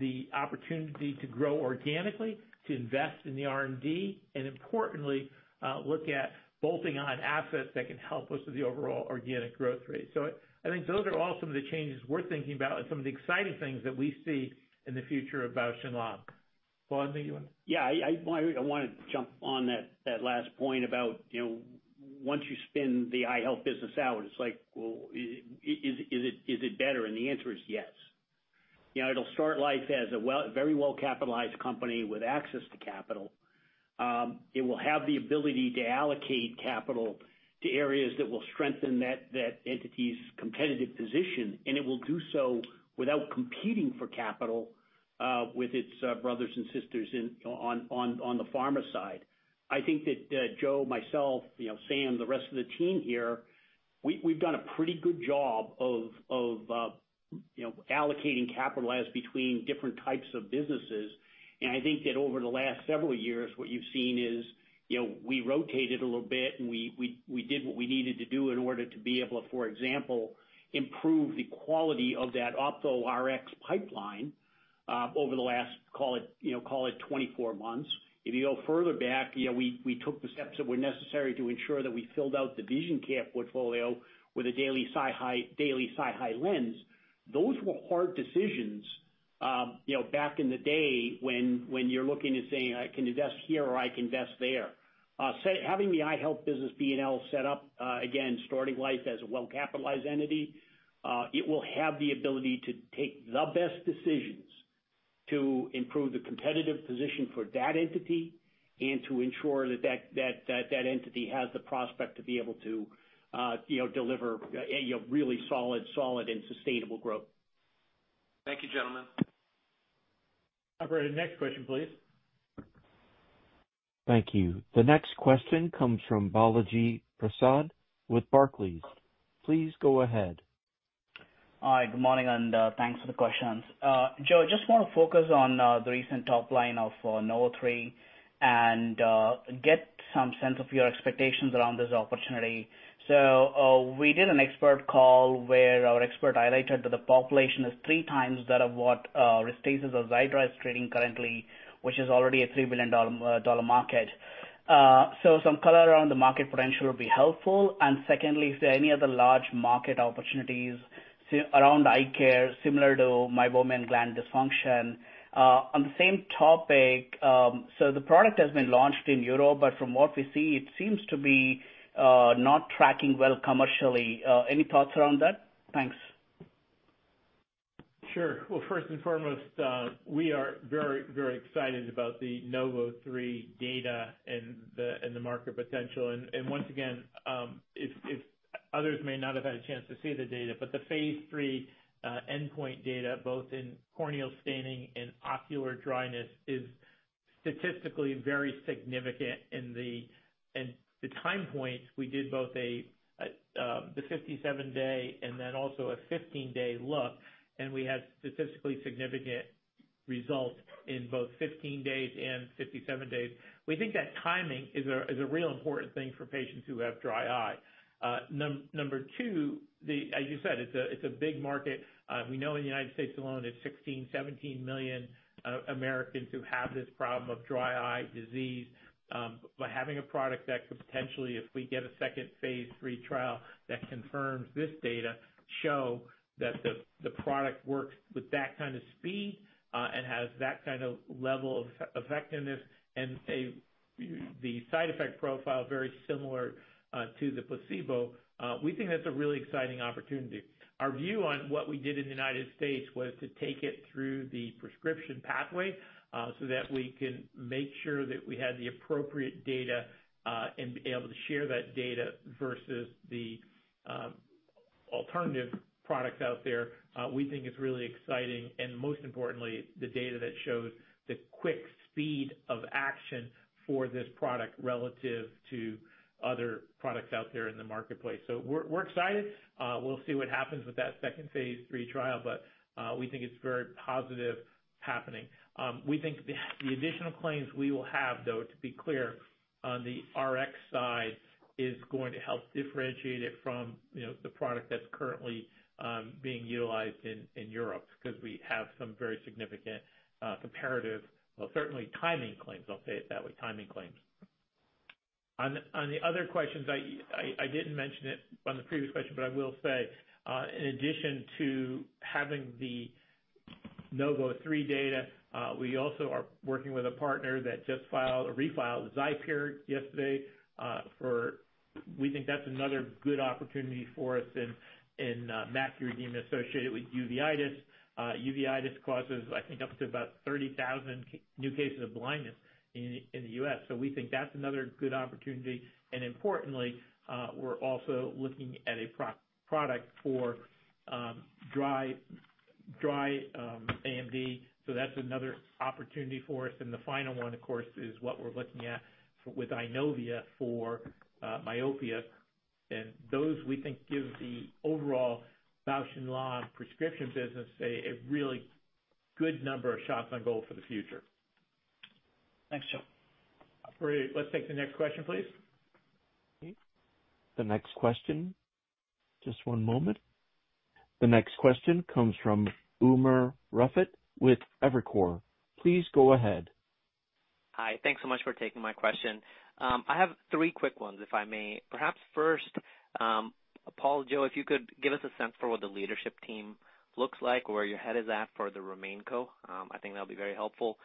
the opportunity to grow organically, to invest in the R&D, and importantly, look at bolting on assets that can help us with the overall organic growth rate. I think those are all some of the changes we're thinking about and some of the exciting things that we see in the future of Bausch + Lomb. Paul, anything you want to? Yeah. I want to jump on that last point about once you spin the eye health business out, it's like, well, is it better? The answer is yes. It'll start life as a very well-capitalized company with access to capital. It will have the ability to allocate capital to areas that will strengthen that entity's competitive position, and it will do so without competing for capital with its brothers and sisters on the pharma side. I think that Joe, myself, Sam, the rest of the team here, we've done a pretty good job of allocating capital as between different types of businesses. I think that over the last several years, what you've seen is we rotated a little bit, and we did what we needed to do in order to be able to, for example, improve the quality of that Ophtho Rx pipeline over the last, call it 24 months. If you go further back, we took the steps that were necessary to ensure that we filled out the vision care portfolio with a daily SiHy lens. Those were hard decisions back in the day when you're looking and saying, "I can invest here or I can invest there." Having the eye health business Bausch + Lomb set up, again, starting life as a well-capitalized entity, it will have the ability to take the best decisions to improve the competitive position for that entity and to ensure that that entity has the prospect to be able to deliver really solid and sustainable growth. Thank you, gentlemen. Operator, next question, please. Thank you. The next question comes from Balaji Prasad with Barclays. Please go ahead. Hi, good morning, and thanks for the questions. Joe, just want to focus on the recent top line of NOV03 and get some sense of your expectations around this opportunity. We did an expert call where our expert highlighted that the population is three times that of what RESTASIS or Xiidra is trading currently, which is already a $3 billion market. Some color around the market potential would be helpful. Secondly, if there are any other large market opportunities around eye care similar to meibomian gland dysfunction. On the same topic, the product has been launched in Europe, from what we see, it seems to be not tracking well commercially. Any thoughts around that? Thanks. Sure. 1st and foremost, we are very excited about the NOV03 data and the market potential. Once again, others may not have had a chance to see the data. The phase III endpoint data, both in corneal staining and ocular dryness, is statistically very significant. The time points, we did both the 57-day and then also a 15-day look, and we had statistically significant results in both 15 days and 57 days. We think that timing is a real important thing for patients who have dry eye. Number 2, as you said, it's a big market. We know in the U.S. alone, it's 16 million, 17 million Americans who have this problem of Dry Eye Disease. By having a product that could potentially, if we get a 2nd phase III trial that confirms this data, show that the product works with that kind of speed and has that kind of level of effectiveness and the side effect profile very similar to the placebo. We think that's a really exciting opportunity. Our view on what we did in the United States was to take it through the prescription pathway so that we can make sure that we had the appropriate data and be able to share that data versus the alternative products out there, we think it's really exciting and most importantly, the data that shows the quick speed of action for this product relative to other products out there in the marketplace. We're excited. We'll see what happens with that 2nd phase III trial, we think it's very positive happening. We think the additional claims we will have though, to be clear on the Rx side, is going to help differentiate it from the product that's currently being utilized in Europe because we have some very significant comparative, well, certainly timing claims, I'll say it that way, timing claims. On the other questions, I didn't mention it on the previous question, but I will say, in addition to having the NOV03 data, we also are working with a partner that just refiled XIPERE yesterday. We think that's another good opportunity for us in macular edema associated with uveitis. Uveitis causes, I think, up to about 30,000 new cases of blindness in the U.S. We think that's another good opportunity, and importantly, we're also looking at a product for dry AMD, so that's another opportunity for us. The final one, of course, is what we're looking at with Eyenovia for myopia. Those we think give the overall Bausch + Lomb prescription business a really good number of shots on goal for the future. Thanks, Joe. Great. Let's take the next question, please. The next question. Just one moment. The next question comes from Umer Raffat with Evercore. Please go ahead. Hi. Thanks so much for taking my question. I have three quick ones, if I may. Perhaps 1st, Paul, Joe, if you could give us a sense for what the leadership team looks like, where your head is at for the RemainCo. I think that'll be very helpful.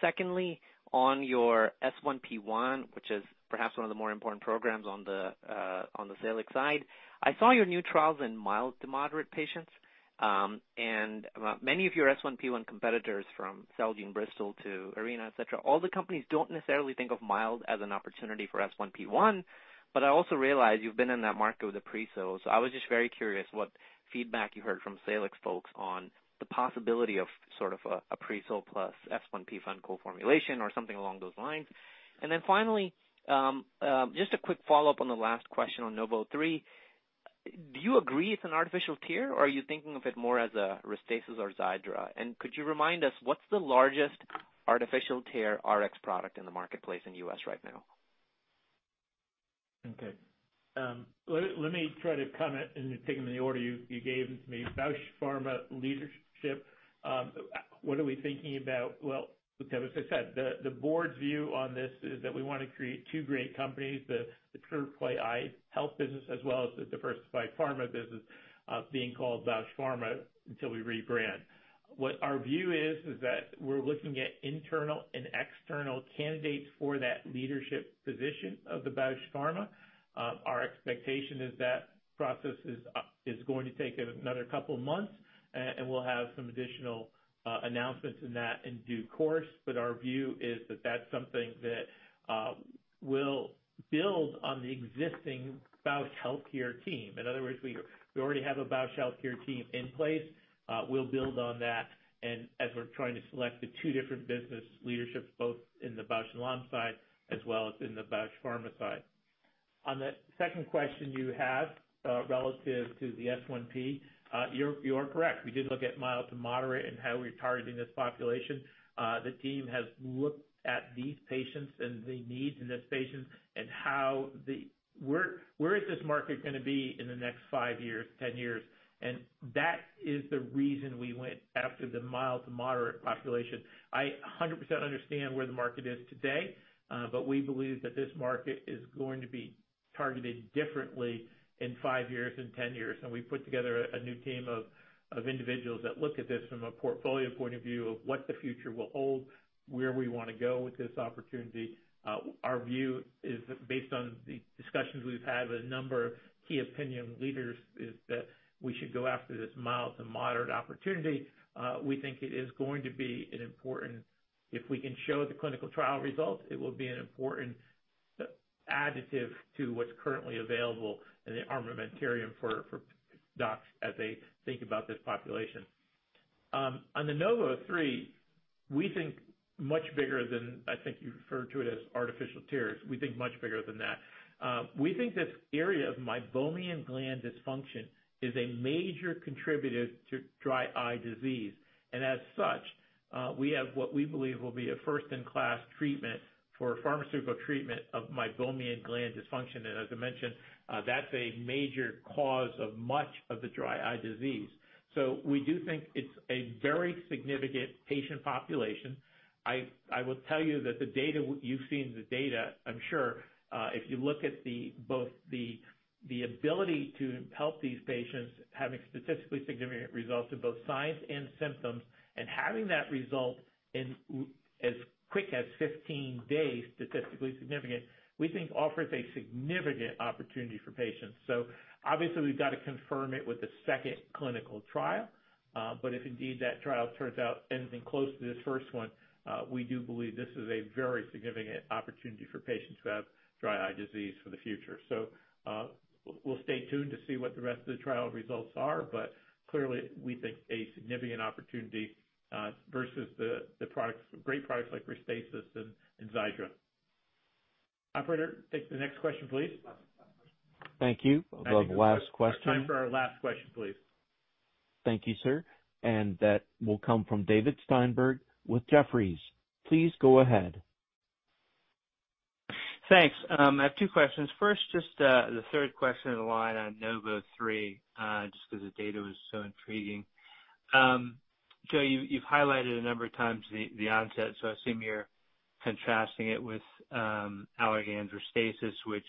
Secondly, on your S1P1, which is perhaps one of the more important programs on the Salix side. I saw your new trials in mild to moderate patients. Many of your S1P1 competitors from Celgene, Bristol to Arena, et cetera, all the companies don't necessarily think of mild as an opportunity for S1P1. I also realize you've been in that market with the Presils. I was just very curious what feedback you heard from Salix folks on the possibility of sort of a Presil Plus S1P1 co-formulation or something along those lines. Finally, just a quick follow-up on the last question on NOV03. Do you agree it's an artificial tear or are you thinking of it more as a RESTASIS or Xiidra? Could you remind us what's the largest artificial tear Rx product in the marketplace in the U.S. right now? Okay. Let me try to comment and take them in the order you gave me. Bausch Pharma leadership. What are we thinking about? Well, look, as I said, the board's view on this is that we want to create two great companies, the pure play eye health business as well as the diversified pharma business, being called Bausch Pharma until we rebrand. What our view is that we're looking at internal and external candidates for that leadership position of the Bausch Pharma. Our expectation is that process is going to take another couple of months, and we'll have some additional announcements in that in due course. Our view is that that's something that will build on the existing Bausch Health team. In other words, we already have a Bausch Health team in place. We'll build on that and as we're trying to select the two different business leadership, both in the Bausch + Lomb side as well as in the Bausch Pharma side. On the 2nd question you have, relative to the S1P, you're correct. We did look at mild to moderate and how we're targeting this population. The team has looked at these patients and the needs in these patients and where is this market going to be in the next five years, 10 years. That is the reason we went after the mild to moderate population. I 100% understand where the market is today, but we believe that this market is going to be targeted differently in five years, in 10 years. We put together a new team of individuals that look at this from a portfolio point of view of what the future will hold, where we want to go with this opportunity. Our view is based on the discussions we've had with a number of key opinion leaders, is that we should go after this mild to moderate opportunity. We think it is going to be an important If we can show the clinical trial results, it will be an important additive to what's currently available in the armamentarium for docs as they think about this population. On the NOV03, we think much bigger than, I think you referred to it as artificial tears. We think much bigger than that. We think this area of meibomian gland dysfunction is a major contributor to dry eye disease. As such, we have what we believe will be a first-in-class treatment for pharmaceutical treatment of meibomian gland dysfunction. As I mentioned, that's a major cause of much of the dry eye disease. We do think it's a very significant patient population. I will tell you that the data, you've seen the data, I'm sure. If you look at both the ability to help these patients having statistically significant results in both signs and symptoms and having that result in as quick as 15 days, statistically significant, we think offers a significant opportunity for patients. Obviously we've got to confirm it with the 2nd clinical trial. If indeed that trial turns out anything close to this 1st one, we do believe this is a very significant opportunity for patients who have dry eye disease for the future. We'll stay tuned to see what the rest of the trial results are. Clearly, we think a significant opportunity versus the great products like RESTASIS and Xiidra. Operator, take the next question, please. Thank you. We'll go to the last question. Time for our last question, please. Thank you, sir. That will come from David Steinberg with Jefferies. Please go ahead. Thanks. I have two questions. 1st, just the 3rd question of the line on NOV03, just because the data was so intriguing. Joe, you've highlighted a number of times the onset, I assume you're contrasting it with Allergan's RESTASIS, which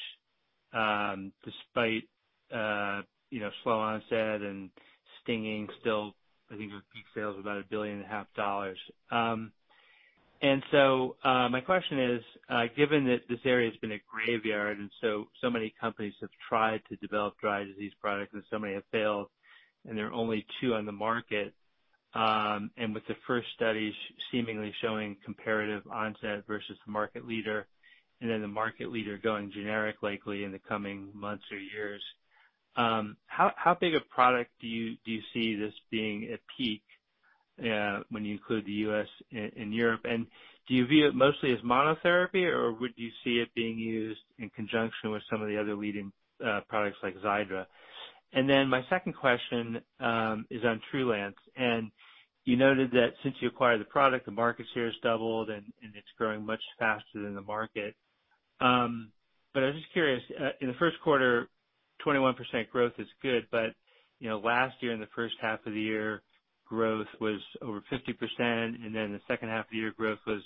despite slow onset and stinging, still, I think your peak sales were about a billion and a half dollars. My question is, given that this area has been a graveyard and so many companies have tried to develop dry eye disease products and so many have failed, there are only two on the market. With the 1st study seemingly showing comparative onset versus the market leader, the market leader going generic likely in the coming months or years, how big a product do you see this being at peak, when you include the U.S. and Europe? Do you view it mostly as monotherapy, or would you see it being used in conjunction with some of the other leading products like Xiidra? My 2nd question is on TRULANCE. You noted that since you acquired the product, the market share has doubled, and it's growing much faster than the market. I was just curious, in the 1st quarter, 21% growth is good. Last year in the 1st half of the year, growth was over 50%, and then the 2nd half of the year growth was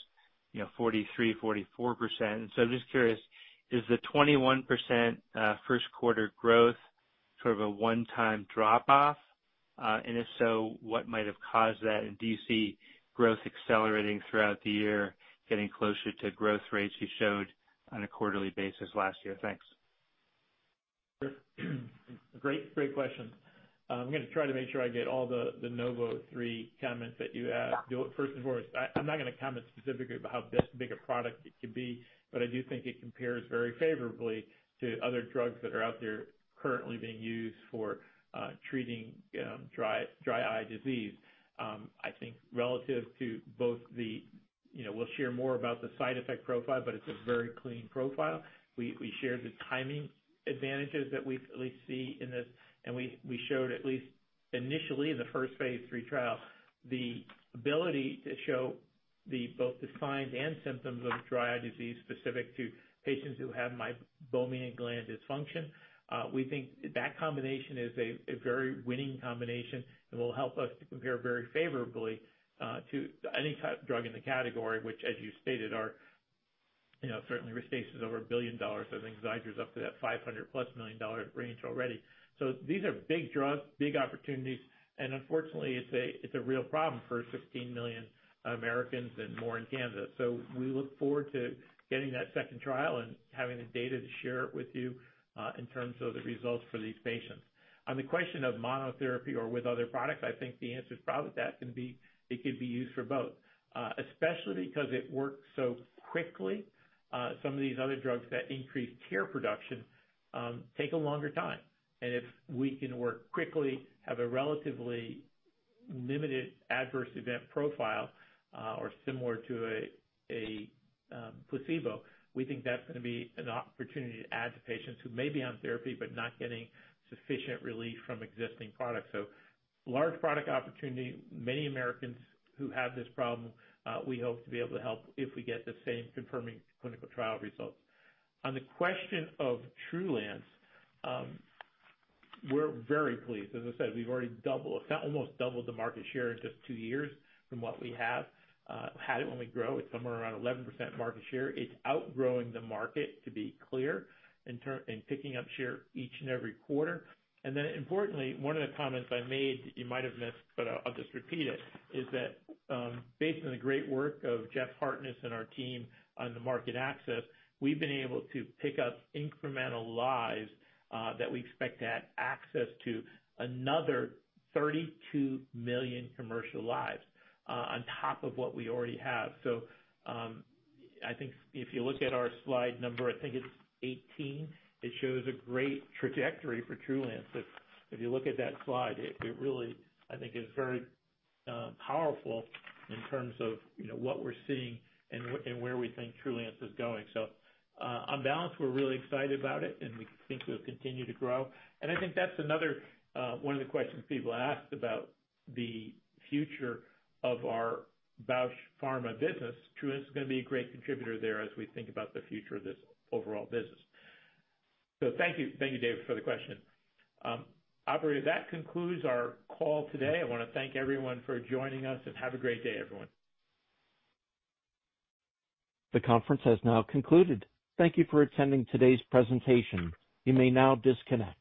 43%, 44%. I'm just curious, is the 21% 1st quarter growth sort of a one-time drop-off? If so, what might have caused that? Do you see growth accelerating throughout the year, getting closer to growth rates you showed on a quarterly basis last year? Thanks. Great questions. I'm going to try to make sure I get all the NOV03 comments that you have. 1st and foremost, I'm not going to comment specifically about how big a product it could be, but I do think it compares very favorably to other drugs that are out there currently being used for treating Dry Eye Disease. We'll share more about the side effect profile. It's a very clean profile. We shared the timing advantages that we at least see in this. We showed at least initially in the 1st phase III trial, the ability to show both the signs and symptoms of Dry Eye Disease specific to patients who have meibomian gland dysfunction. We think that combination is a very winning combination and will help us to compare very favorably to any type of drug in the category, which, as you stated, are certainly RESTASIS is over $1 billion. I think Xiidra is up to that $500+ million range already. These are big drugs, big opportunities, and unfortunately, it's a real problem for 16 million Americans and more in Canada. We look forward to getting that 2nd trial and having the data to share it with you in terms of the results for these patients. On the question of monotherapy or with other products, I think the answer is probably that it could be used for both, especially because it works so quickly. Some of these other drugs that increase tear production take a longer time, and if we can work quickly, have a relatively limited adverse event profile or similar to a placebo, we think that's going to be an opportunity to add to patients who may be on therapy but not getting sufficient relief from existing products. Large product opportunity. Many Americans who have this problem we hope to be able to help if we get the same confirming clinical trial results. On the question of TRULANCE, we're very pleased. As I said, we've already almost doubled the market share in just two years from what we have had it when we grow. It's somewhere around 11% market share. It's outgrowing the market, to be clear, and picking up share each and every quarter. Importantly, one of the comments I made, you might have missed, but I'll just repeat it, is that based on the great work of Jeff Hartness and our team on the market access, we've been able to pick up incremental lives that we expect to add access to another 32 million commercial lives on top of what we already have. I think if you look at our slide number 18, it shows a great trajectory for TRULANCE. If you look at that slide, it really, I think, is very powerful in terms of what we're seeing and where we think TRULANCE is going. On balance, we're really excited about it, and we think it will continue to grow. I think that's another one of the questions people asked about the future of our Bausch Pharma business. TRULANCE is going to be a great contributor there as we think about the future of this overall business. Thank you. Thank you, David, for the question. Operator, that concludes our call today. I want to thank everyone for joining us, and have a great day, everyone. The conference has now concluded. Thank you for attending today's presentation. You may now disconnect.